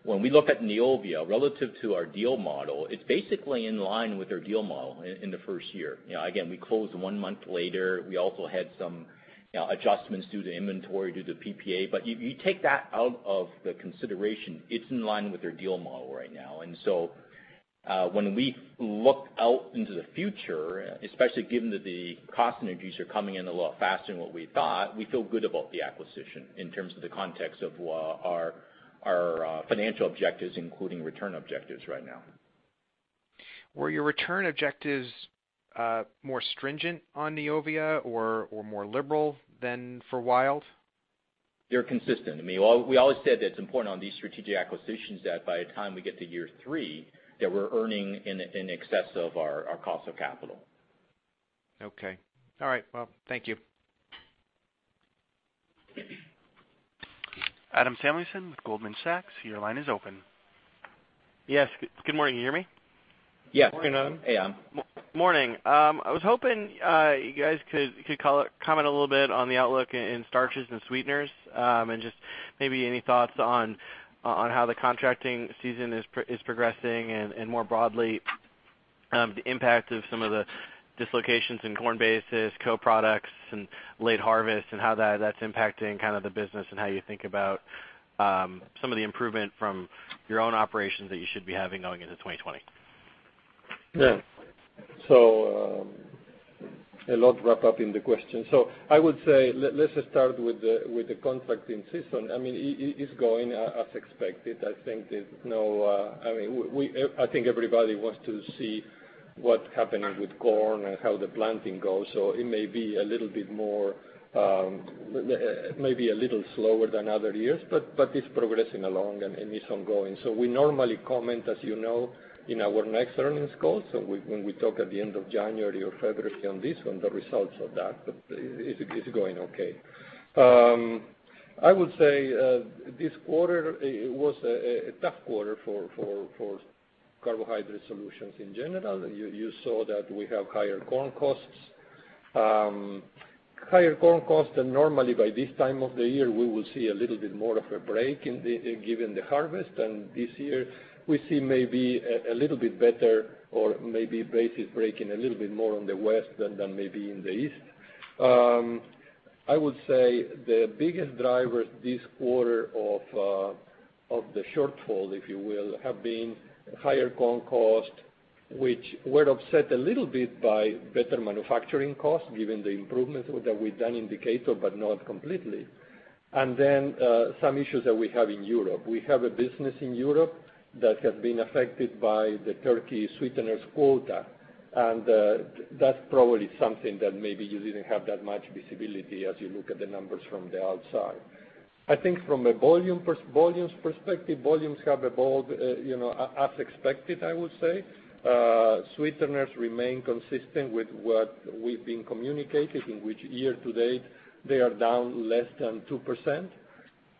When we look at Neovia relative to our deal model, it's basically in line with our deal model in the first year. Again, we closed one month later. We also had some adjustments due to inventory, due to PPA. You take that out of the consideration, it's in line with our deal model right now. When we look out into the future, especially given that the cost synergies are coming in a lot faster than what we thought, we feel good about the acquisition in terms of the context of our financial objectives, including return objectives right now. Were your return objectives more stringent on Neovia or more liberal than for WILD? They're consistent. We always said that it's important on these strategic acquisitions that by the time we get to year three, that we're earning in excess of our cost of capital. Okay. All right. Well, thank you. Adam Samuelson with Goldman Sachs, your line is open. Yes. Good morning, can you hear me? Yes. Good morning, Adam. Hey, Adam. Morning. I was hoping you guys could comment a little bit on the outlook in starches and sweeteners, and just maybe any thoughts on how the contracting season is progressing and more broadly, the impact of some of the dislocations in corn basis, co-products, and late harvest, and how that's impacting the business and how you think about some of the improvement from your own operations that you should be having going into 2020. Yeah. A lot wrapped up in the question. I would say, let's start with the contracting season. It's going as expected. I think everybody wants to see what's happening with corn and how the planting goes. It may be a little slower than other years, but it's progressing along, and it's ongoing. We normally comment, as you know, in our next earnings call, so when we talk at the end of January or February on this, on the results of that, but it's going okay. I would say, this quarter was a tough quarter for Carbohydrate Solutions in general. You saw that we have higher corn costs. Higher corn costs than normally by this time of the year, we will see a little bit more of a break given the harvest. This year we see maybe a little bit better or maybe breaks is breaking a little bit more on the west than maybe in the east. I would say the biggest driver this quarter of the shortfall, if you will, have been higher corn cost, which were upset a little bit by better manufacturing costs given the improvements that we've done in Decatur, but not completely. Then, some issues that we have in Europe. We have a business in Europe that has been affected by the Turkey sweeteners quota. That's probably something that maybe you didn't have that much visibility as you look at the numbers from the outside. I think from a volumes perspective, volumes have evolved as expected, I would say. Sweeteners remain consistent with what we've been communicating, in which year to date, they are down less than 2%.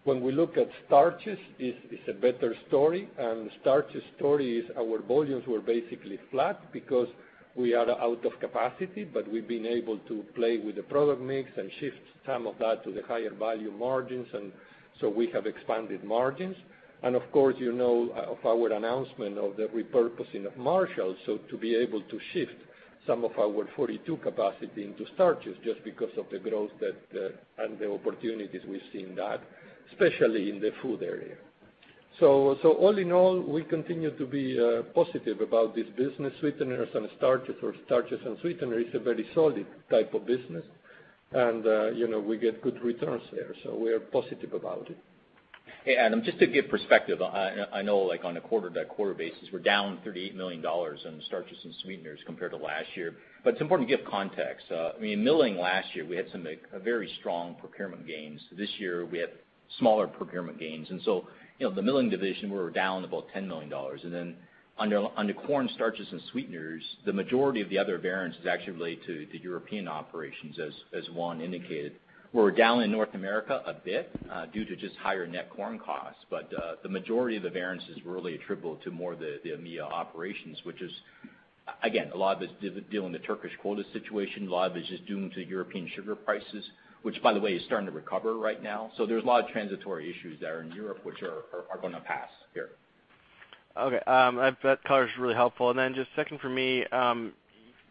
We look at starches, it's a better story. The starches story is our volumes were basically flat because we are out of capacity, but we've been able to play with the product mix and shift some of that to the higher value margins, and so we have expanded margins. Of course, you know of our announcement of the repurposing of Marshall, so to be able to shift some of our 42 capacity into starches just because of the growth and the opportunities we see in that, especially in the food area. All in all, we continue to be positive about this business, sweeteners and starches, or starches and sweetener. It's a very solid type of business. We get good returns there, so we are positive about it. Hey, Adam, just to give perspective, I know on a quarter-by-quarter basis, we're down $38 million in starches and sweeteners compared to last year. It's important to give context. In milling last year, we had some very strong procurement gains. This year we have smaller procurement gains. The milling division, we're down about $10 million. Under corn starches and sweeteners, the majority of the other variance is actually related to the European operations, as Juan indicated. We're down in North America a bit due to just higher net corn costs. The majority of the variances really attribute to more the EMEIA operations, which is, again, a lot of it dealing with the Turkish quota situation, a lot of it's just due to European sugar prices, which by the way, is starting to recover right now. There's a lot of transitory issues there in Europe which are going to pass here. Okay. That color is really helpful. Then just second for me,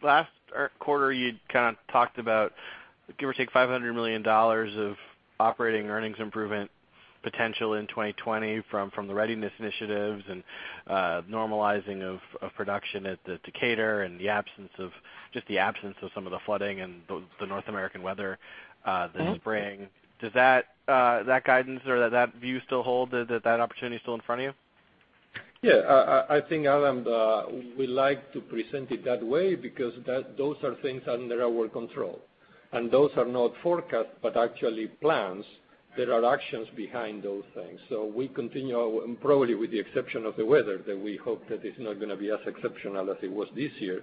last quarter, you talked about give or take $500 million of operating earnings improvement potential in 2020 from the Readiness initiatives and normalizing of production at the Decatur and just the absence of some of the flooding and the North American weather this spring. Does that guidance or that view still hold? That opportunity's still in front of you? Yeah. I think, Adam, we like to present it that way because those are things under our control. Those are not forecasts, but actually plans. There are actions behind those things. We continue, probably with the exception of the weather, that we hope that it's not going to be as exceptional as it was this year.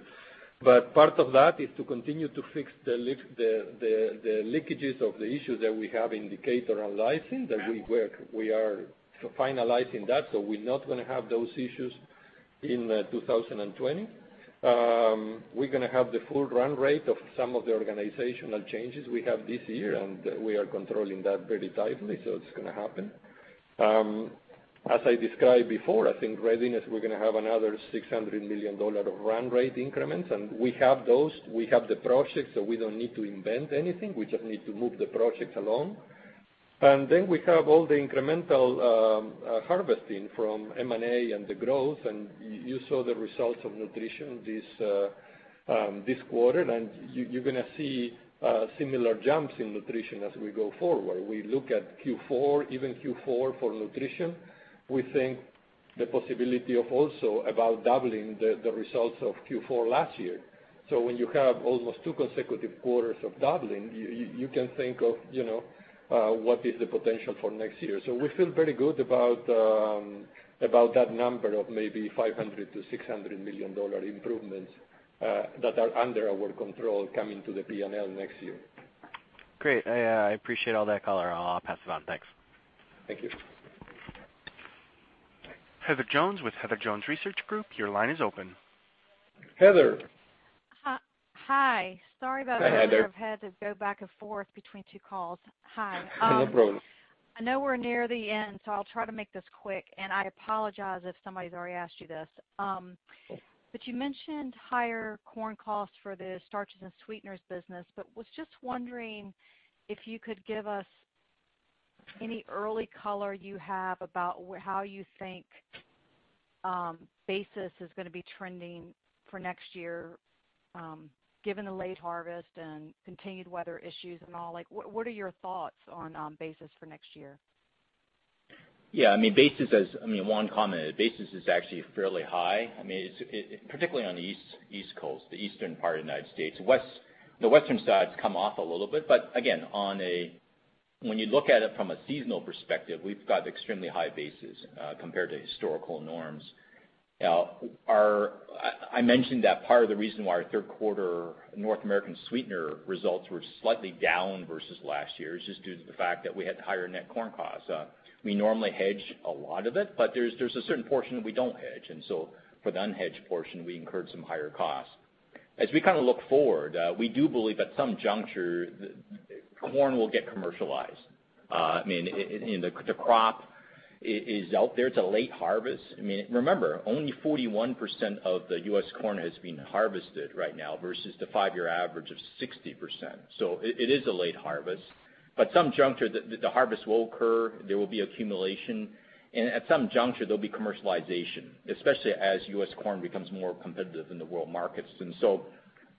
Part of that is to continue to fix the leakages of the issues that we have in Decatur and lysine, that we are finalizing that, so we're not going to have those issues in 2020. We're going to have the full run rate of some of the organizational changes we have this year, we are controlling that very tightly, so it's going to happen. As I described before, I think Readiness, we're going to have another $600 million of run rate increments. We have those. We have the projects. We don't need to invent anything. We just need to move the projects along. We have all the incremental harvesting from M&A and the growth, and you saw the results of Nutrition this quarter. You're going to see similar jumps in Nutrition as we go forward. We look at Q4, even Q4 for Nutrition, we think the possibility of also about doubling the results of Q4 last year. When you have almost two consecutive quarters of doubling, you can think of what is the potential for next year. We feel pretty good about that number of maybe $500 million-$600 million improvements that are under our control coming to the P&L next year. Great. I appreciate all that color. I'll pass it on. Thanks. Thank you. Heather Jones with Heather Jones Research Group, your line is open. Heather. Hi. Sorry about that. Hi, Heather. I've had to go back and forth between two calls. Hi. No problem. I know we're near the end, so I'll try to make this quick, and I apologize if somebody's already asked you this. You mentioned higher corn costs for the starches and sweeteners business, but was just wondering if you could give us any early color you have about how you think basis is going to be trending for next year, given the late harvest and continued weather issues and all. What are your thoughts on basis for next year? Yeah. Juan commented, basis is actually fairly high. Particularly on the East Coast, the eastern part of the United States. The western side's come off a little bit. Again, when you look at it from a seasonal perspective, we've got extremely high basis compared to historical norms. I mentioned that part of the reason why our third quarter North American sweetener results were slightly down versus last year is just due to the fact that we had higher net corn costs. We normally hedge a lot of it. There's a certain portion that we don't hedge. For the unhedged portion, we incurred some higher costs. As we look forward, we do believe at some juncture, corn will get commercialized. The crop is out there. It's a late harvest. Remember, only 41% of the U.S. corn has been harvested right now versus the five-year average of 60%. It is a late harvest. At some juncture, the harvest will occur, there will be accumulation. At some juncture, there'll be commercialization, especially as U.S. corn becomes more competitive in the world markets.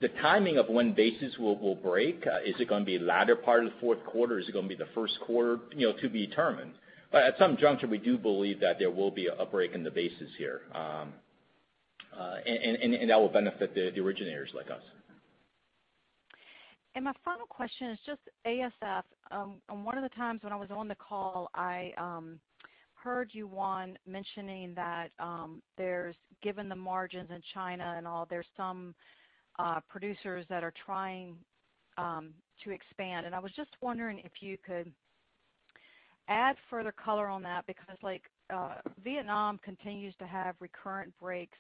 The timing of when basis will break, is it going to be latter part of the fourth quarter? Is it going to be the first quarter? To be determined. At some juncture, we do believe that there will be a break in the basis here. That will benefit the originators like us. My final question is just ASF. On one of the times when I was on the call, I heard you, Juan, mentioning that given the margins in China and all, there is some producers that are trying to expand. I was just wondering if you could add further color on that, because Vietnam continues to have recurrent breaks.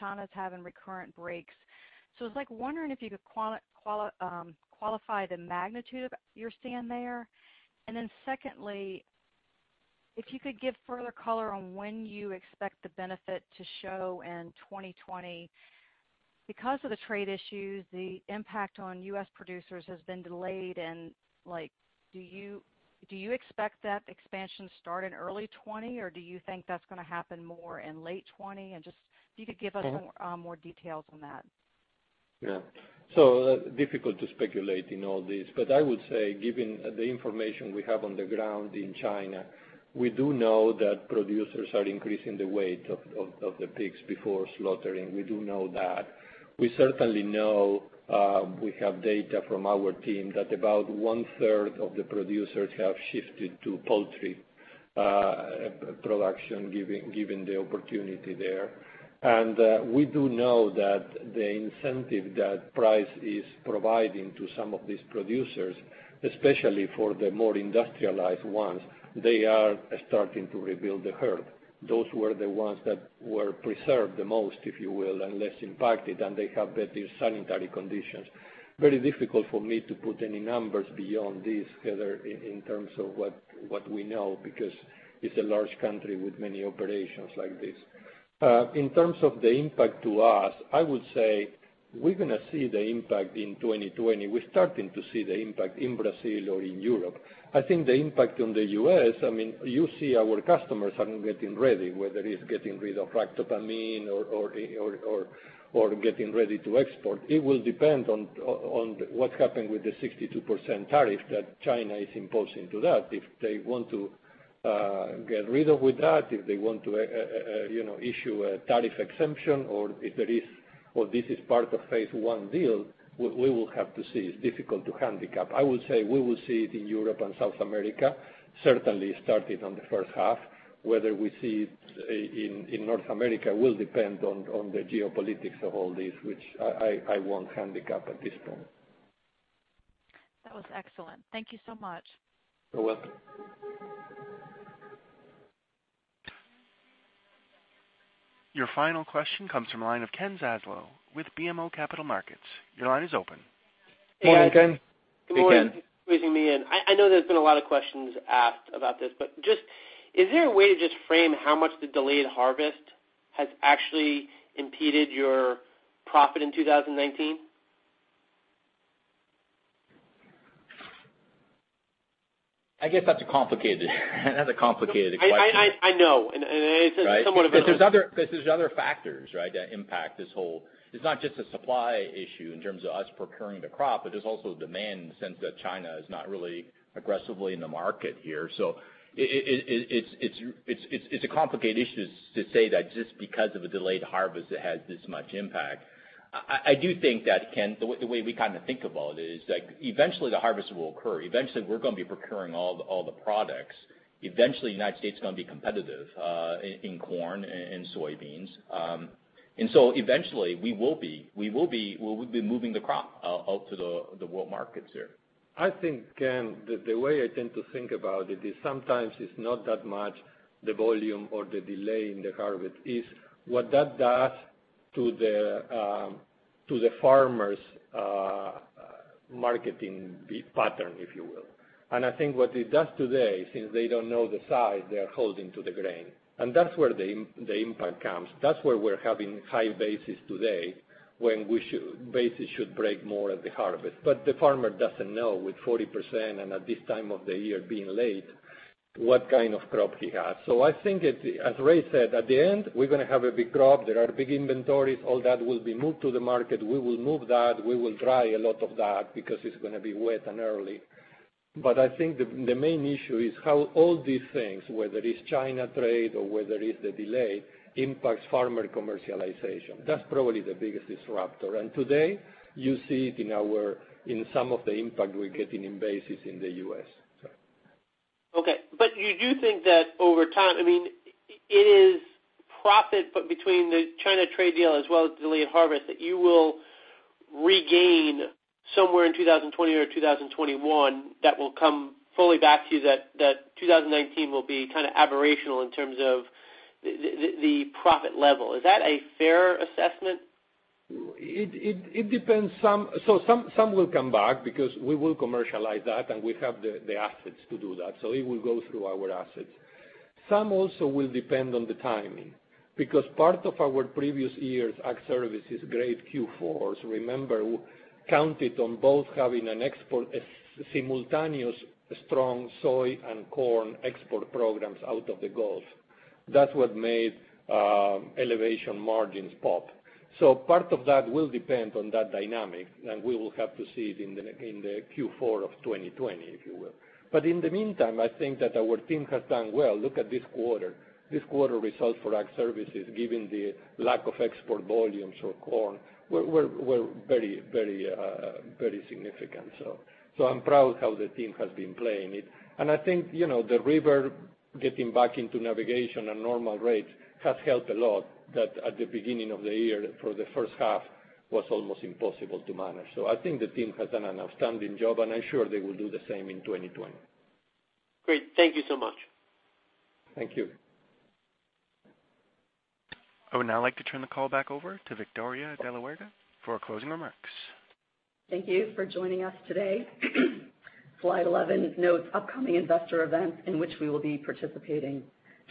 China's having recurrent breaks. I was wondering if you could qualify the magnitude you're seeing there. Then secondly, if you could give further color on when you expect the benefit to show in 2020. Because of the trade issues, the impact on U.S. producers has been delayed and do you expect that expansion to start in early 2020, or do you think that is going to happen more in late 2020? more details on that. Yeah. Difficult to speculate in all this, but I would say, given the information we have on the ground in China, we do know that producers are increasing the weight of the pigs before slaughtering. We do know that. We certainly know, we have data from our team, that about one third of the producers have shifted to poultry production, given the opportunity there. We do know that the incentive that price is providing to some of these producers, especially for the more industrialized ones, they are starting to rebuild the herd. Those were the ones that were preserved the most, if you will, and less impacted, and they have better sanitary conditions. Very difficult for me to put any numbers beyond this, Heather, in terms of what we know, because it's a large country with many operations like this. In terms of the impact to us, I would say we're going to see the impact in 2020. We're starting to see the impact in Brazil or in Europe. I think the impact on the U.S., you see our customers are getting ready, whether it's getting rid of ractopamine or getting ready to export. It will depend on what's happening with the 62% tariff that China is imposing to that. If they want to get rid of with that, if they want to issue a tariff exemption, or if this is part of phase one deal, we will have to see. It's difficult to handicap. I would say we will see it in Europe and South America, certainly starting on the first half. Whether we see it in North America will depend on the geopolitics of all this, which I won't handicap at this point. That was excellent. Thank you so much. You're welcome. Your final question comes from the line of Ken Zaslow with BMO Capital Markets. Your line is open. Morning, Ken. Hey, Ken. Good morning. Thanks for squeezing me in. I know there's been a lot of questions asked about this, but just is there a way to just frame how much the delayed harvest has actually impeded your profit in 2019? I guess that's a complicated question. I know, and it's somewhat of a- Right? Because there's other factors, right, that impact this whole. It's not just a supply issue in terms of us procuring the crop, but there's also demand in the sense that China is not really aggressively in the market here. It's a complicated issue to say that just because of a delayed harvest, it has this much impact. I do think that, Ken, the way we kind of think about it is like eventually the harvest will occur. Eventually, we're going to be procuring all the products. Eventually, U.S. is going to be competitive in corn and soybeans. Eventually, we will be moving the crop out to the world markets here. I think, Ken, the way I tend to think about it is sometimes it's not that much the volume or the delay in the harvest. It's what that does to the farmer's marketing pattern, if you will. I think what it does today, since they don't know the size, they are holding to the grain. That's where the impact comes. That's where we're having high basis today, when basis should break more at the harvest. The farmer doesn't know, with 40% and at this time of the year being late, what kind of crop he has. I think, as Ray said, at the end, we're going to have a big crop. There are big inventories. All that will be moved to the market. We will move that. We will dry a lot of that because it's going to be wet and early. I think the main issue is how all these things, whether it's China trade or whether it's the delay, impacts farmer commercialization. That's probably the biggest disruptor. Today, you see it in some of the impact we're getting in basis in the U.S. Okay. You do think that over time, it is profit between the China trade deal as well as the delayed harvest, that you will regain somewhere in 2020 or 2021, that will come fully back to you, that 2019 will be kind of aberrational in terms of the profit level. Is that a fair assessment? It depends. Some will come back because we will commercialize that, and we have the assets to do that. It will go through our assets. Some also will depend on the timing, because part of our previous years' Ag Services great Q4s, remember, counted on both having an export, a simultaneous strong soy and corn export programs out of the Gulf. That's what made elevation margins pop. Part of that will depend on that dynamic, and we will have to see it in the Q4 of 2020, if you will. In the meantime, I think that our team has done well. Look at this quarter. This quarter results for Ag Services, given the lack of export volumes for corn, were very significant. I'm proud how the team has been playing it. I think the river getting back into navigation at normal rates has helped a lot. That at the beginning of the year, for the first half, was almost impossible to manage. I think the team has done an outstanding job, and I'm sure they will do the same in 2020. Great. Thank you so much. Thank you. I would now like to turn the call back over to Victoria de la Huerga for closing remarks. Thank you for joining us today. Slide 11 notes upcoming investor events in which we will be participating.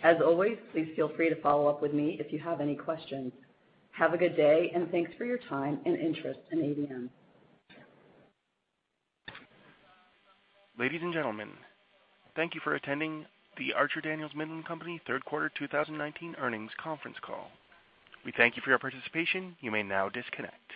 As always, please feel free to follow up with me if you have any questions. Thanks for your time and interest in ADM. Ladies and gentlemen, thank you for attending the Archer Daniels Midland Company third quarter 2019 earnings conference call. We thank you for your participation. You may now disconnect.